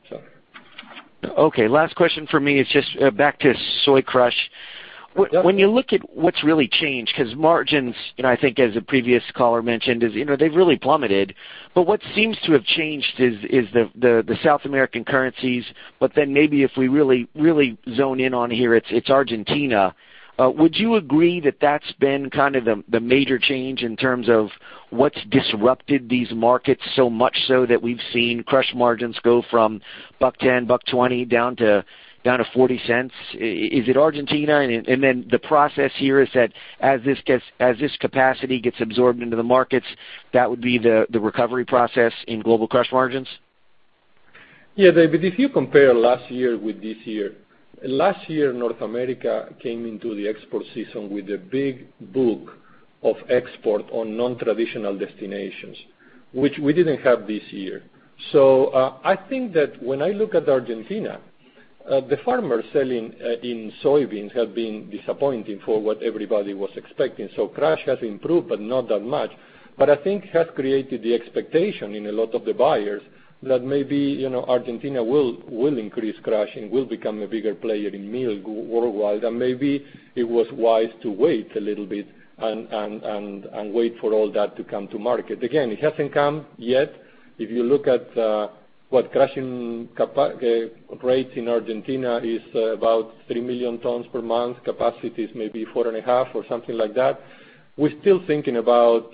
Speaker 7: Last question for me is just back to soy crush.
Speaker 3: Yeah.
Speaker 7: When you look at what's really changed, because margins, I think as a previous caller mentioned, they've really plummeted. What seems to have changed is the South American currencies. Maybe if we really zone in on here, it's Argentina. Would you agree that that's been kind of the major change in terms of what's disrupted these markets so much so that we've seen crush margins go from $1.10, $1.20 down to $0.40? Is it Argentina? The process here is that as this capacity gets absorbed into the markets, that would be the recovery process in global crush margins?
Speaker 3: Yeah, David, if you compare last year with this year, last year, North America came into the export season with a big book of export on non-traditional destinations, which we didn't have this year. I think that when I look at Argentina, the farmers selling in soybeans have been disappointing for what everybody was expecting. Crush has improved, but not that much. I think has created the expectation in a lot of the buyers that maybe Argentina will increase crushing, will become a bigger player in meal worldwide, and maybe it was wise to wait a little bit and wait for all that to come to market. Again, it hasn't come yet. If you look at what crushing rates in Argentina is about 3 million tons per month. Capacity is maybe 4.5 or something like that. We're still thinking about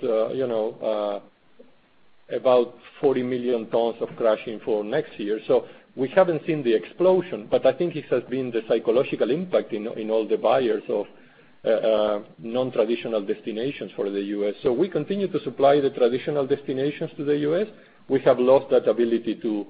Speaker 3: 40 million tons of crushing for next year. We haven't seen the explosion, but I think it has been the psychological impact in all the buyers of non-traditional destinations for the U.S. We continue to supply the traditional destinations to the U.S. We have lost that ability to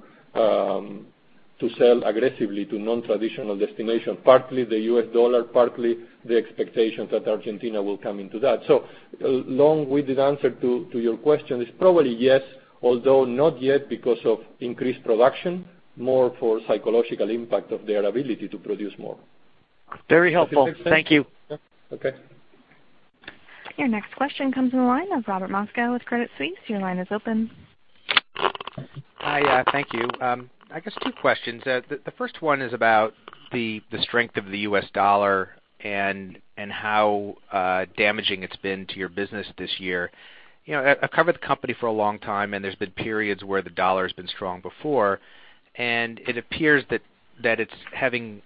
Speaker 3: sell aggressively to non-traditional destinations, partly the U.S. dollar, partly the expectations that Argentina will come into that. A long-winded answer to your question is probably yes, although not yet because of increased production, more for psychological impact of their ability to produce more.
Speaker 7: Very helpful. Thank you.
Speaker 3: Okay.
Speaker 1: Your next question comes from the line of Robert Moskow with Credit Suisse. Your line is open.
Speaker 8: Hi. Thank you. I guess two questions. The first one is about the strength of the US dollar and how damaging it's been to your business this year. I've covered the company for a long time, and there's been periods where the dollar has been strong before, and it appears that it's having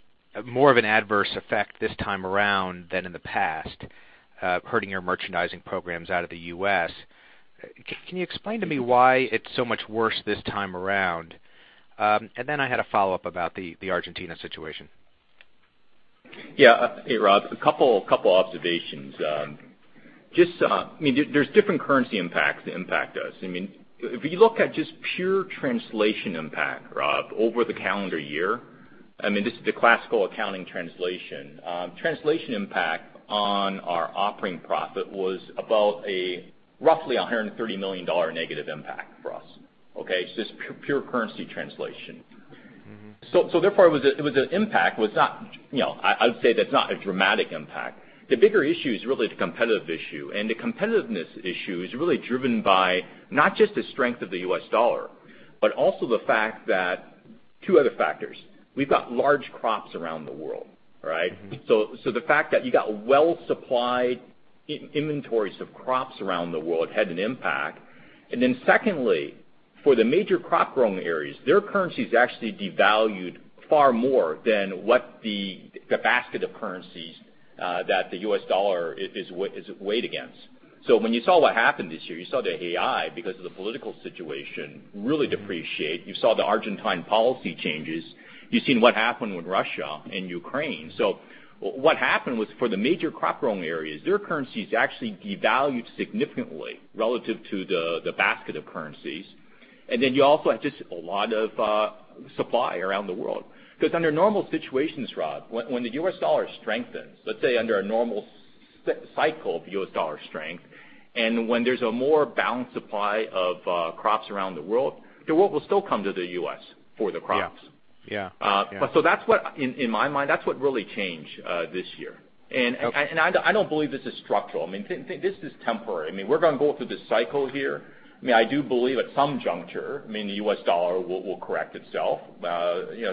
Speaker 8: more of an adverse effect this time around than in the past, hurting your merchandising programs out of the U.S. Can you explain to me why it's so much worse this time around? I had a follow-up about the Argentina situation.
Speaker 4: Yeah. Hey, Rob. A couple observations. There's different currency impacts that impact us. If you look at just pure translation impact, Rob, over the calendar year, this is the classical accounting translation. Translation impact on our operating profit was about roughly $130 million negative impact for us. Okay? It's just pure currency translation. Therefore, the impact, I would say that's not a dramatic impact. The bigger issue is really the competitive issue, the competitiveness issue is really driven by not just the strength of the US dollar, but also two other factors. We've got large crops around the world, right? The fact that you got well-supplied inventories of crops around the world had an impact secondly, for the major crop growing areas, their currencies actually devalued far more than what the basket of currencies that the US dollar is weighed against. When you saw what happened this year, you saw the real, because of the political situation, really depreciate. You saw the Argentine policy changes. You've seen what happened with Russia and Ukraine. What happened was for the major crop growing areas, their currencies actually devalued significantly relative to the basket of currencies. You also have just a lot of supply around the world. Under normal situations, Rob, when the U.S. dollar strengthens, let's say under a normal cycle of U.S. dollar strength, and when there's a more balanced supply of crops around the world, the world will still come to the U.S. for the crops.
Speaker 8: Yeah.
Speaker 4: In my mind, that's what really changed this year.
Speaker 8: Okay.
Speaker 4: I don't believe this is structural. This is temporary. We're going to go through this cycle here. I do believe at some juncture, the U.S. dollar will correct itself.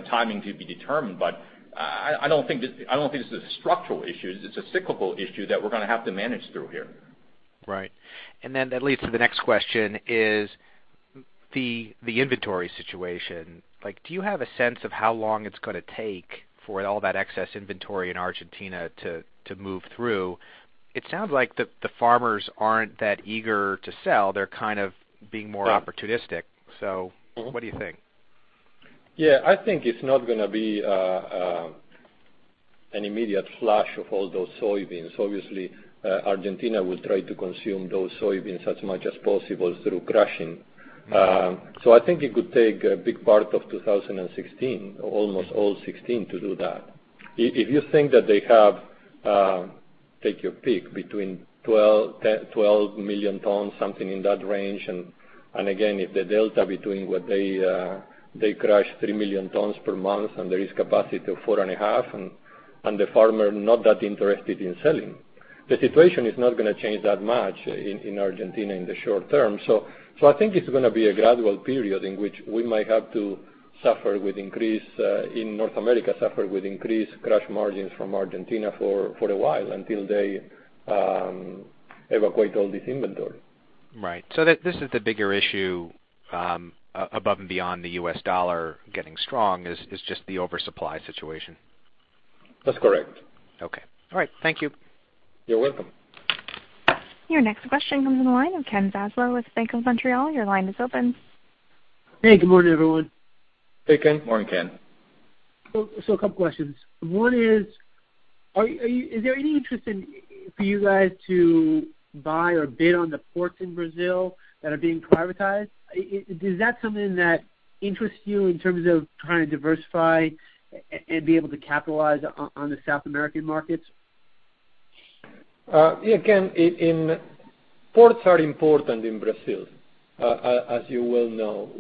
Speaker 4: Timing to be determined, but I don't think this is a structural issue. It's a cyclical issue that we're going to have to manage through here.
Speaker 8: Right. That leads to the next question, is the inventory situation. Do you have a sense of how long it's going to take for all that excess inventory in Argentina to move through? It sounds like the farmers aren't that eager to sell. They're kind of being more opportunistic. What do you think?
Speaker 3: I think it's not going to be an immediate flush of all those soybeans. Obviously, Argentina will try to consume those soybeans as much as possible through crushing. I think it could take a big part of 2016, almost all of 2016, to do that. If you think that they have, take your pick, between 12 million tons, something in that range, and again, if the delta between what they crush, 3 million tons per month, and there is capacity of four and a half, and the farmer not that interested in selling. The situation is not going to change that much in Argentina in the short term. I think it's going to be a gradual period in which we might have to suffer with increase in North America, suffer with increased crush margins from Argentina for a while, until they evacuate all this inventory.
Speaker 8: Right. This is the bigger issue, above and beyond the US dollar getting strong, is just the oversupply situation.
Speaker 3: That's correct.
Speaker 8: Okay. All right. Thank you.
Speaker 3: You're welcome.
Speaker 1: Your next question comes on the line of Ken Zaslow with Bank of Montreal. Your line is open.
Speaker 9: Hey, good morning, everyone.
Speaker 3: Hey, Ken.
Speaker 4: Morning, Ken.
Speaker 9: A couple questions. One is there any interest for you guys to buy or bid on the ports in Brazil that are being privatized? Is that something that interests you in terms of trying to diversify and be able to capitalize on the South American markets?
Speaker 3: Ken, ports are important in Brazil, as you well know.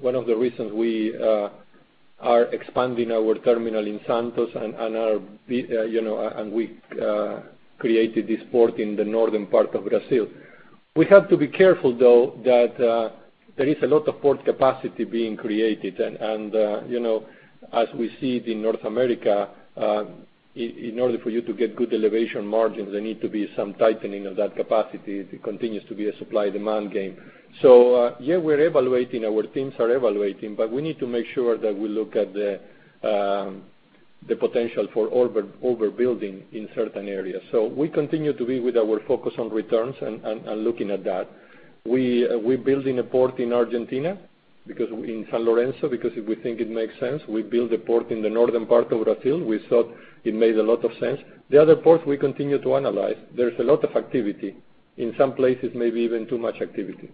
Speaker 3: One of the reasons we are expanding our terminal in Santos and we created this port in the northern part of Brazil. We have to be careful, though, that there is a lot of port capacity being created, and as we see it in North America, in order for you to get good elevation margins, there need to be some tightening of that capacity. It continues to be a supply/demand game. Yeah, our teams are evaluating, but we need to make sure that we look at the potential for overbuilding in certain areas. We continue to be with our focus on returns and looking at that. We're building a port in Argentina, in San Lorenzo, because we think it makes sense. We built a port in the northern part of Brazil. We thought it made a lot of sense. The other ports, we continue to analyze. There is a lot of activity. In some places, maybe even too much activity.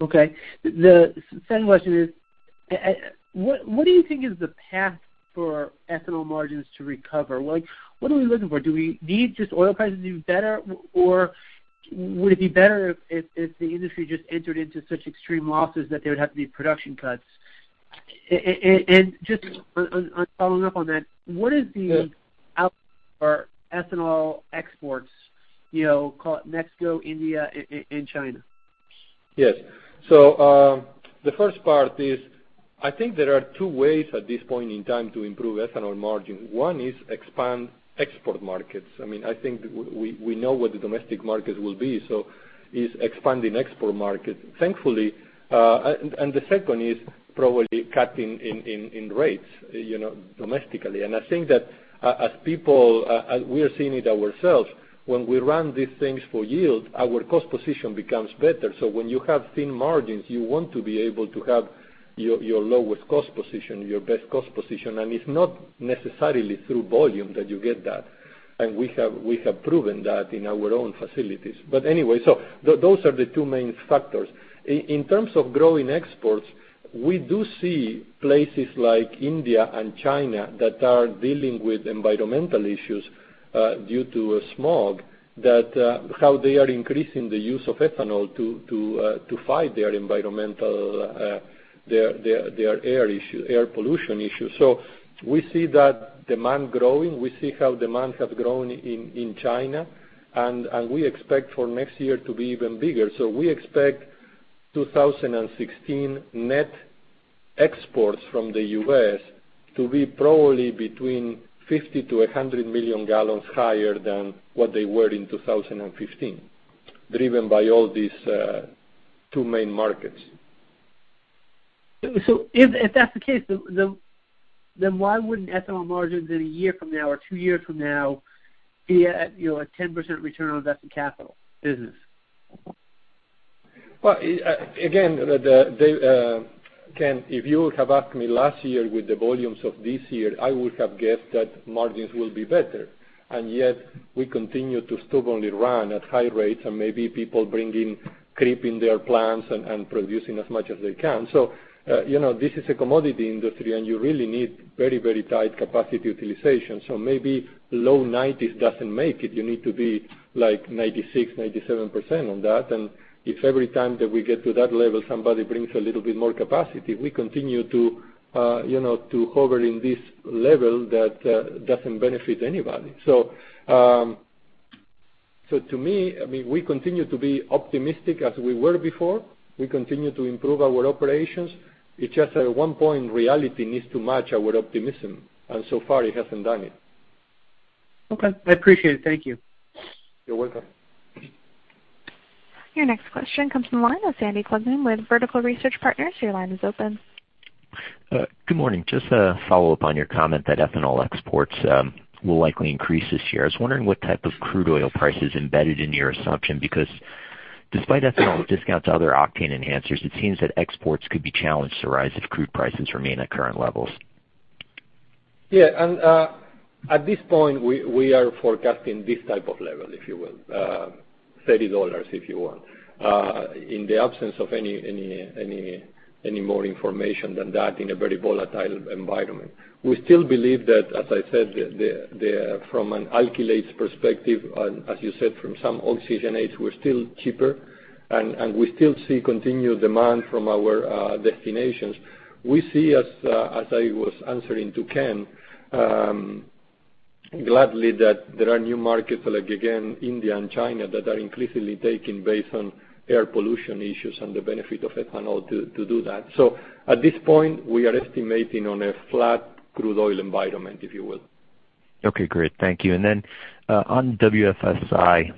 Speaker 9: Okay. The second question is, what do you think is the path for ethanol margins to recover? What are we looking for? Do we need just oil prices to do better, or would it be better if the industry just entered into such extreme losses that there would have to be production cuts? And just on following up on that, what is the outlook for ethanol exports, call it Mexico, India, and China?
Speaker 3: Yes. The first part is, I think there are two ways at this point in time to improve ethanol margin. One is expand export markets. I think we know what the domestic market will be, so it's expanding export markets. The second is probably cutting in rates domestically. I think that as people, as we are seeing it ourselves, when we run these things for yield, our cost position becomes better. When you have thin margins, you want to be able to have your lowest cost position, your best cost position. It's not necessarily through volume that you get that. We have proven that in our own facilities. Anyway, those are the two main factors. In terms of growing exports, we do see places like India and China that are dealing with environmental issues due to smog, how they are increasing the use of ethanol to fight their environmental, their air pollution issue. We see that demand growing. We see how demand has grown in China, and we expect for next year to be even bigger. We expect 2016 net exports from the U.S. to be probably between 50 million-100 million gallons higher than what they were in 2015, driven by all these two main markets.
Speaker 9: If that's the case, why wouldn't ethanol margins in a year from now or two years from now be at a 10% return on invested capital business?
Speaker 3: Well, again, Ken, if you have asked me last year with the volumes of this year, I would have guessed that margins will be better. Yet we continue to stubbornly run at high rates and maybe people bringing creep in their plants and producing as much as they can. This is a commodity industry, and you really need very tight capacity utilization. Maybe low 90s doesn't make it. You need to be like 96%, 97% on that. If every time that we get to that level, somebody brings a little bit more capacity. We continue to hover in this level that doesn't benefit anybody. To me, we continue to be optimistic as we were before. We continue to improve our operations. It's just at one point, reality needs to match our optimism, and so far it hasn't done it.
Speaker 9: Okay, I appreciate it. Thank you.
Speaker 3: You're welcome.
Speaker 1: Your next question comes from the line with Sandy Klugman with Vertical Research Partners. Your line is open.
Speaker 10: Good morning. Just a follow-up on your comment that ethanol exports will likely increase this year. I was wondering what type of crude oil price is embedded in your assumption, because despite ethanol discounts other octane enhancers, it seems that exports could be challenged to rise if crude prices remain at current levels.
Speaker 3: Yeah. At this point, we are forecasting this type of level, if you will, $30 if you want, in the absence of any more information than that in a very volatile environment. We still believe that, as I said, from an alkylates perspective, and as you said, from some oxygenates, we're still cheaper, and we still see continued demand from our destinations. We see, as I was answering to Ken, gladly that there are new markets like, again, India and China that are increasingly taking based on air pollution issues and the benefit of ethanol to do that. At this point, we are estimating on a flat crude oil environment, if you will.
Speaker 10: Okay, great. Thank you. On WFSI,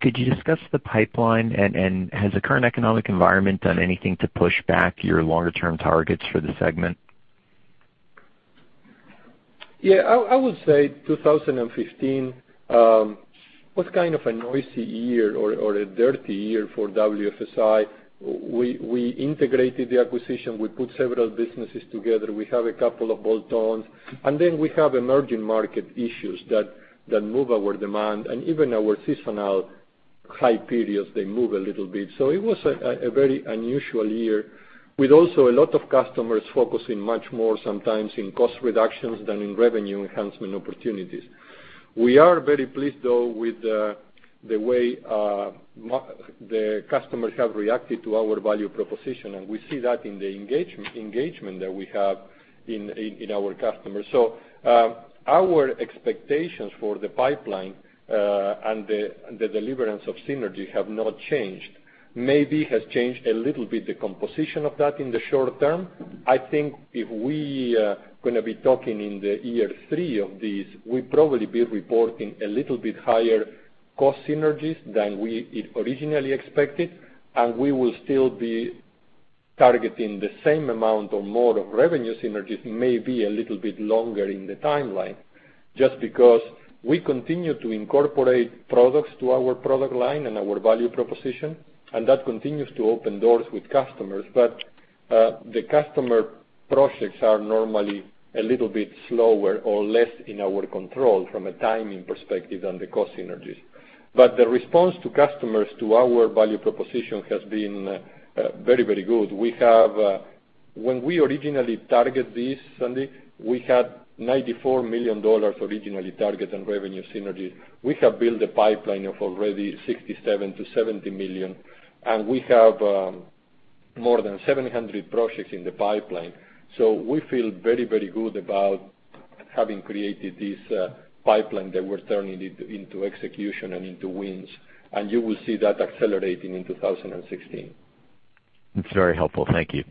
Speaker 10: could you discuss the pipeline, and has the current economic environment done anything to push back your longer-term targets for the segment?
Speaker 3: Yeah. I would say 2015 was kind of a noisy year or a dirty year for WFSI. We integrated the acquisition. We put several businesses together. We have a couple of bolt-ons, and then we have emerging market issues that move our demand and even our seasonal high periods, they move a little bit. It was a very unusual year with also a lot of customers focusing much more sometimes on cost reductions than in revenue enhancement opportunities. We are very pleased, though, with the way the customers have reacted to our value proposition, and we see that in the engagement that we have in our customers. Our expectations for the pipeline and the deliverance of synergy have not changed. Maybe has changed a little bit the composition of that in the short term. I think if we are going to be talking in the year three of these, we'd probably be reporting a little bit higher cost synergies than we had originally expected, and we will still be targeting the same amount or more of revenue synergies, maybe a little bit longer in the timeline, just because we continue to incorporate products to our product line and our value proposition, and that continues to open doors with customers. The customer projects are normally a little bit slower or less in our control from a timing perspective than the cost synergies. The response to customers to our value proposition has been very good. When we originally target this, Sandy, we had $94 million originally targeted in revenue synergy. We have built a pipeline of already $67 million-$70 million, and we have more than 700 projects in the pipeline. We feel very good about having created this pipeline that we're turning into execution and into wins. You will see that accelerating in 2016.
Speaker 10: That's very helpful. Thank you.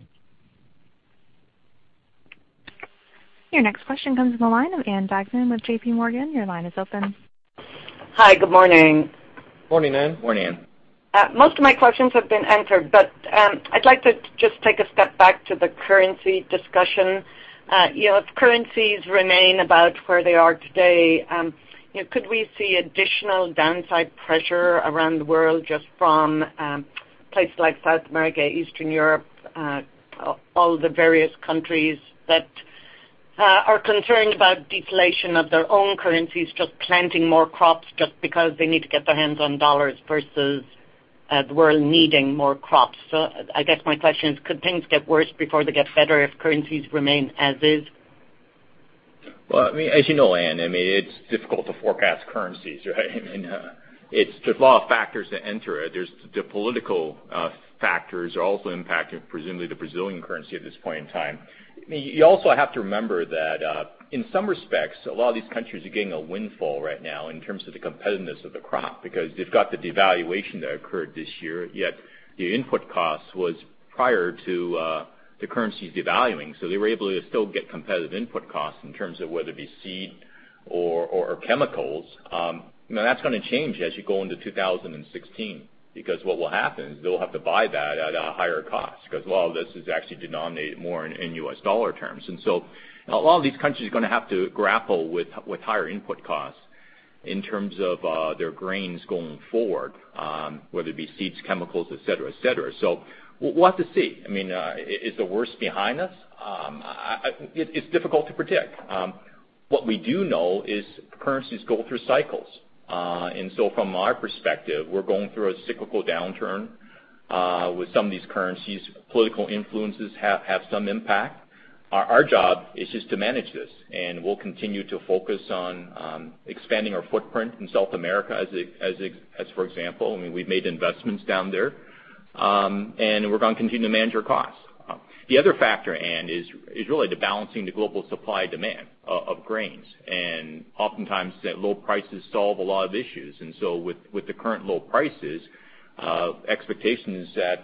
Speaker 1: Your next question comes from the line of Ann Duignan with JPMorgan. Your line is open.
Speaker 11: Hi, good morning.
Speaker 4: Morning, Ann.
Speaker 3: Morning.
Speaker 11: Most of my questions have been answered, I'd like to just take a step back to the currency discussion. If currencies remain about where they are today, could we see additional downside pressure around the world just from places like South America, Eastern Europe, all the various countries that are concerned about deflation of their own currencies, just planting more crops just because they need to get their hands on dollars versus the world needing more crops? I guess my question is, could things get worse before they get better if currencies remain as is?
Speaker 4: Well, as you know, Ann, it's difficult to forecast currencies, right? There's a lot of factors that enter it. There's the political factors are also impacting presumably the Brazilian currency at this point in time. You also have to remember that, in some respects, a lot of these countries are getting a windfall right now in terms of the competitiveness of the crop, because they've got the devaluation that occurred this year, yet the input cost was prior to the currencies devaluing. They were able to still get competitive input costs in terms of whether it be seed or chemicals. That's going to change as you go into 2016, because what will happen is they'll have to buy that at a higher cost, because a lot of this is actually denominated more in US dollar terms. A lot of these countries are going to have to grapple with higher input costs in terms of their grains going forward, whether it be seeds, chemicals, et cetera. We'll have to see. Is the worst behind us? It's difficult to predict. What we do know is currencies go through cycles. From our perspective, we're going through a cyclical downturn with some of these currencies. Political influences have some impact. Our job is just to manage this, and we'll continue to focus on expanding our footprint in South America, as for example, we've made investments down there. We're going to continue to manage our costs. The other factor, Ann, is really the balancing the global supply-demand of grains. Oftentimes, low prices solve a lot of issues. With the current low prices, expectation is that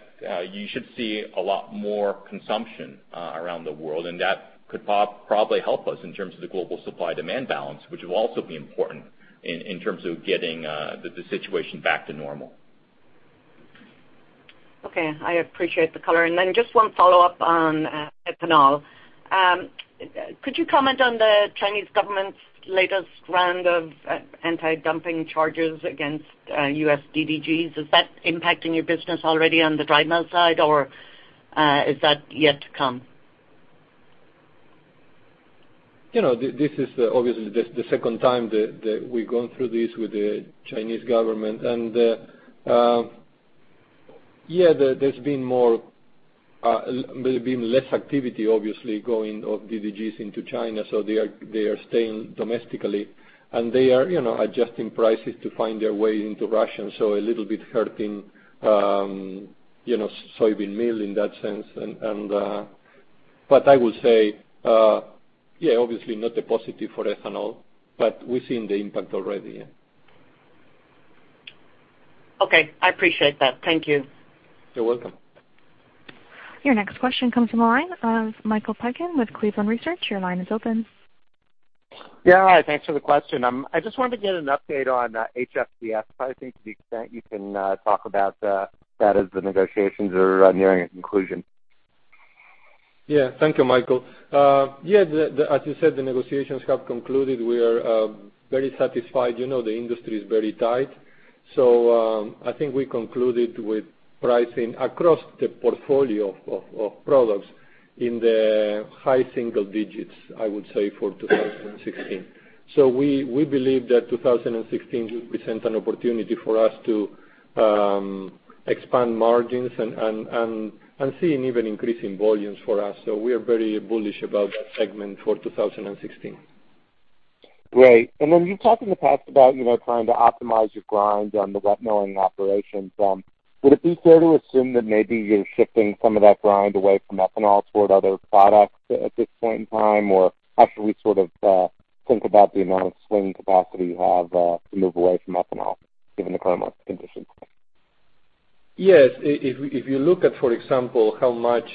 Speaker 4: you should see a lot more consumption around the world, and that could probably help us in terms of the global supply-demand balance, which will also be important in terms of getting the situation back to normal.
Speaker 11: Okay. I appreciate the color. Just one follow-up on ethanol. Could you comment on the Chinese government's latest round of anti-dumping charges against U.S. DDGs? Is that impacting your business already on the dry mill side, or is that yet to come?
Speaker 3: This is obviously just the second time that we're going through this with the Chinese government. Yeah, there's been less activity, obviously, going of DDGs into China, so they are staying domestically. They are adjusting prices to find their way into Russia, so a little bit hurting soybean meal in that sense. I would say, yeah, obviously not a positive for ethanol, but we're seeing the impact already, yeah.
Speaker 11: Okay. I appreciate that. Thank you.
Speaker 3: You're welcome.
Speaker 1: Your next question comes from the line of Michael Piken with Cleveland Research. Your line is open.
Speaker 12: Yeah, hi. Thanks for the question. I just wanted to get an update on HFCS, I think to the extent you can talk about that as the negotiations are nearing a conclusion.
Speaker 3: Thank you, Michael. As you said, the negotiations have concluded. We are very satisfied. The industry is very tight. I think we concluded with pricing across the portfolio of products in the high single digits, I would say, for 2016. We believe that 2016 will present an opportunity for us to expand margins and see an even increase in volumes for us. We are very bullish about that segment for 2016.
Speaker 12: Great. Then you've talked in the past about trying to optimize your grind on the wet milling operations. Would it be fair to assume that maybe you're shifting some of that grind away from ethanol toward other products at this point in time? How should we sort of think about the amount of swing capacity you have to move away from ethanol given the current market conditions?
Speaker 3: Yes. If you look at, for example, how much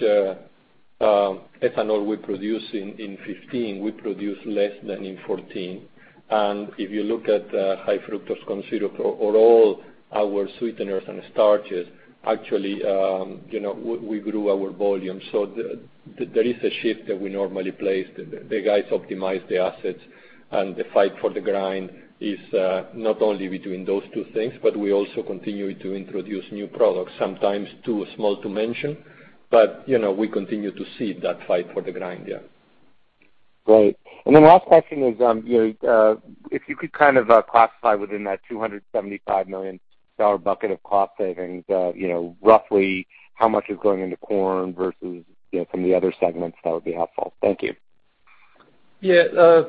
Speaker 3: ethanol we produced in 2015, we produced less than in 2014. If you look at high fructose corn syrup or all our sweeteners and starches, actually we grew our volume. There is a shift that we normally place. The guys optimize the assets, the fight for the grind is not only between those two things, we also continue to introduce new products, sometimes too small to mention. We continue to see that fight for the grind.
Speaker 12: Great. Then last question is, if you could kind of classify within that $275 million bucket of cost savings, roughly how much is going into corn versus from the other segments, that would be helpful. Thank you.
Speaker 3: Yeah.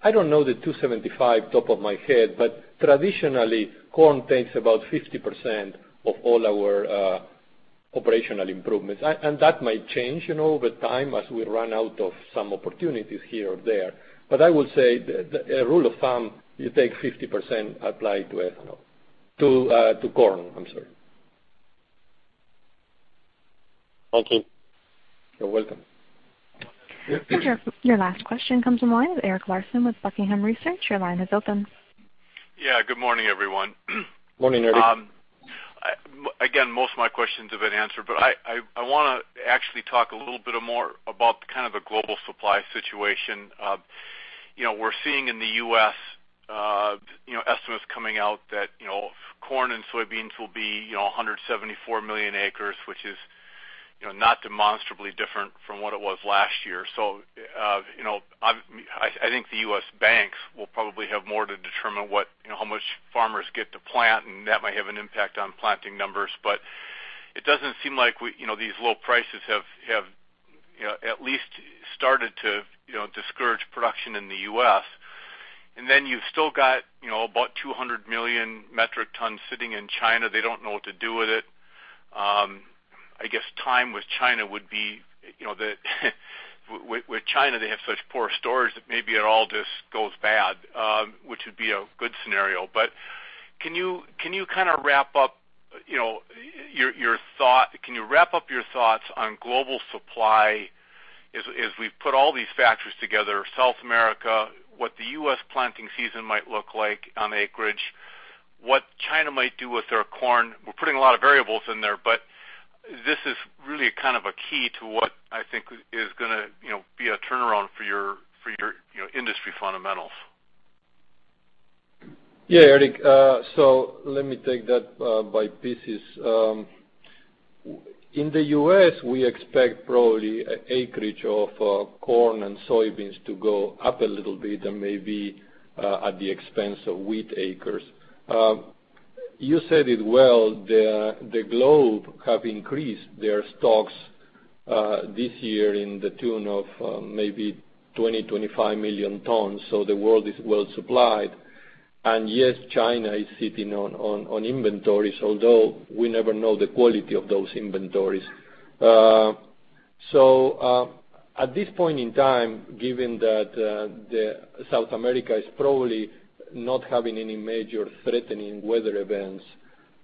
Speaker 3: I don't know the 275 top of my head, traditionally, corn takes about 50% of all our operational improvements. That might change over time as we run out of some opportunities here or there. I would say, a rule of thumb, you take 50% applied to ethanol. To corn, I'm sorry.
Speaker 12: Thank you.
Speaker 3: You're welcome.
Speaker 1: Your last question comes from the line of Eric Larson with Buckingham Research. Your line is open.
Speaker 13: Yeah. Good morning, everyone.
Speaker 3: Morning, Eric.
Speaker 13: Again, most of my questions have been answered, but I want to actually talk a little bit more about the global supply situation. We're seeing in the U.S., estimates coming out that corn and soybeans will be 174 million acres, which is not demonstrably different from what it was last year. I think the U.S. banks will probably have more to determine how much farmers get to plant, and that might have an impact on planting numbers. It doesn't seem like these low prices have at least started to discourage production in the U.S. You've still got about 200 million metric tons sitting in China. They don't know what to do with it. I guess time with China would be, with China, they have such poor storage that maybe it all just goes bad, which would be a good scenario. Can you wrap up your thoughts on global supply as we've put all these factors together, South America, what the U.S. planting season might look like on acreage? What China might do with their corn? We're putting a lot of variables in there, but this is really a key to what I think is going to be a turnaround for your industry fundamentals.
Speaker 3: Yeah, Erik. Let me take that by pieces. In the U.S., we expect probably acreage of corn and soybeans to go up a little bit and maybe at the expense of wheat acres. You said it well, the globe have increased their stocks this year in the tune of maybe 20 million-25 million tons. The world is well supplied. Yes, China is sitting on inventories, although we never know the quality of those inventories. At this point in time, given that South America is probably not having any major threatening weather events,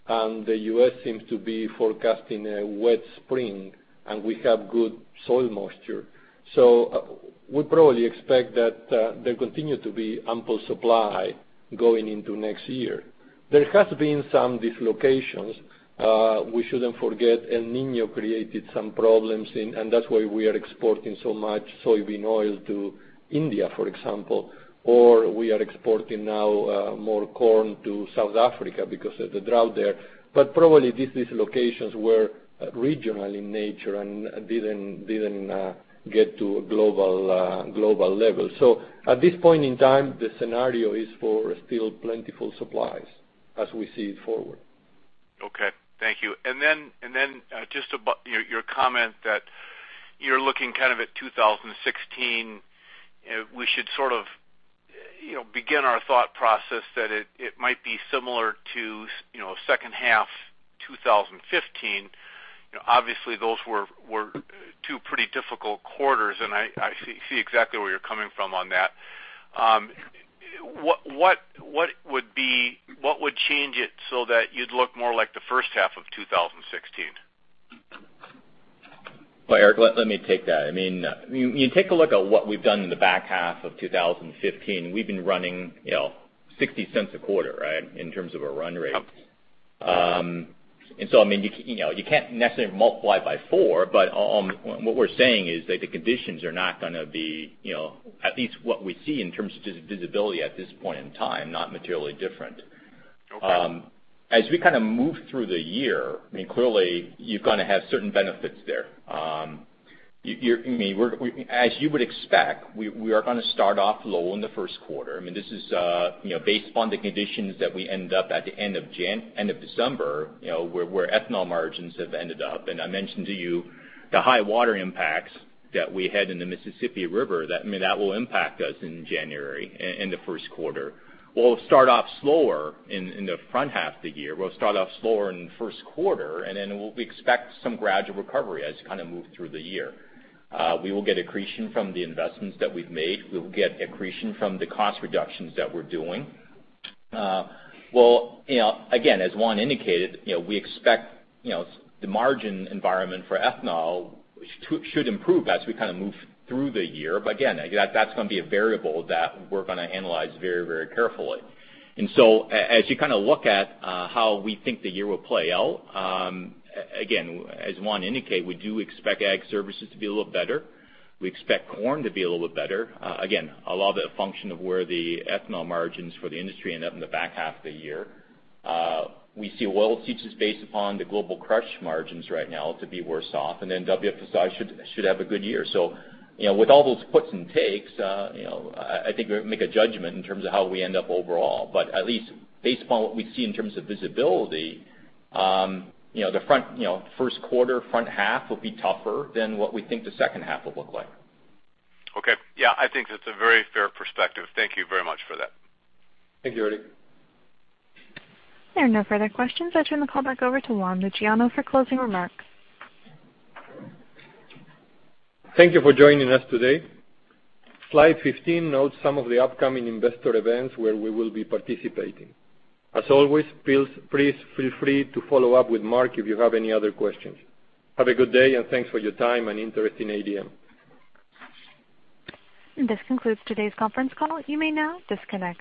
Speaker 3: and the U.S. seems to be forecasting a wet spring, and we have good soil moisture. We probably expect that there continue to be ample supply going into next year. There has been some dislocations. We shouldn't forget El Niño created some problems, and that's why we are exporting so much soybean oil to India, for example, or we are exporting now more corn to South Africa because of the drought there. Probably these dislocations were regional in nature and didn't get to a global level. At this point in time, the scenario is for still plentiful supplies as we see it forward.
Speaker 13: Okay. Thank you. Just about your comment that you're looking at 2016, we should sort of begin our thought process that it might be similar to second half 2015. Obviously, those were two pretty difficult quarters, and I see exactly where you're coming from on that. What would change it so that you'd look more like the first half of 2016?
Speaker 4: Well, Erik, let me take that. You take a look at what we've done in the back half of 2015. We've been running $0.60 a quarter in terms of a run rate.
Speaker 13: Yep.
Speaker 4: You can't necessarily multiply by four, but what we're saying is that the conditions are not going to be, at least what we see in terms of visibility at this point in time, not materially different.
Speaker 13: Okay.
Speaker 4: As we move through the year, clearly, you're going to have certain benefits there. As you would expect, we are going to start off low in the first quarter. This is based upon the conditions that we end up at the end of December, where ethanol margins have ended up. I mentioned to you the high water impacts that we had in the Mississippi River. That will impact us in January, in the first quarter. We'll start off slower in the front half of the year. We'll start off slower in the first quarter, and then we expect some gradual recovery as you move through the year. We will get accretion from the investments that we've made. We will get accretion from the cost reductions that we're doing. Again, as Juan indicated, we expect the margin environment for ethanol should improve as we move through the year. Again, that's going to be a variable that we're going to analyze very carefully. As you look at how we think the year will play out, again, as Juan indicated, we do expect Ag Services to be a little better. We expect corn to be a little bit better. Again, a lot of it a function of where the ethanol margins for the industry end up in the back half of the year. We see oilseeds based upon the global crush margins right now to be worse off, and then WFSI should have a good year. With all those puts and takes, I think we'll make a judgment in terms of how we end up overall. At least based upon what we see in terms of visibility, the first quarter, front half will be tougher than what we think the second half will look like.
Speaker 13: Okay. Yeah, I think that's a very fair perspective. Thank you very much for that.
Speaker 3: Thank you, Eric.
Speaker 1: There are no further questions. I turn the call back over to Juan Luciano for closing remarks.
Speaker 3: Thank you for joining us today. Slide 15 notes some of the upcoming investor events where we will be participating. As always, please feel free to follow up with Mark if you have any other questions. Have a good day, thanks for your time and interest in ADM.
Speaker 1: This concludes today's conference call. You may now disconnect.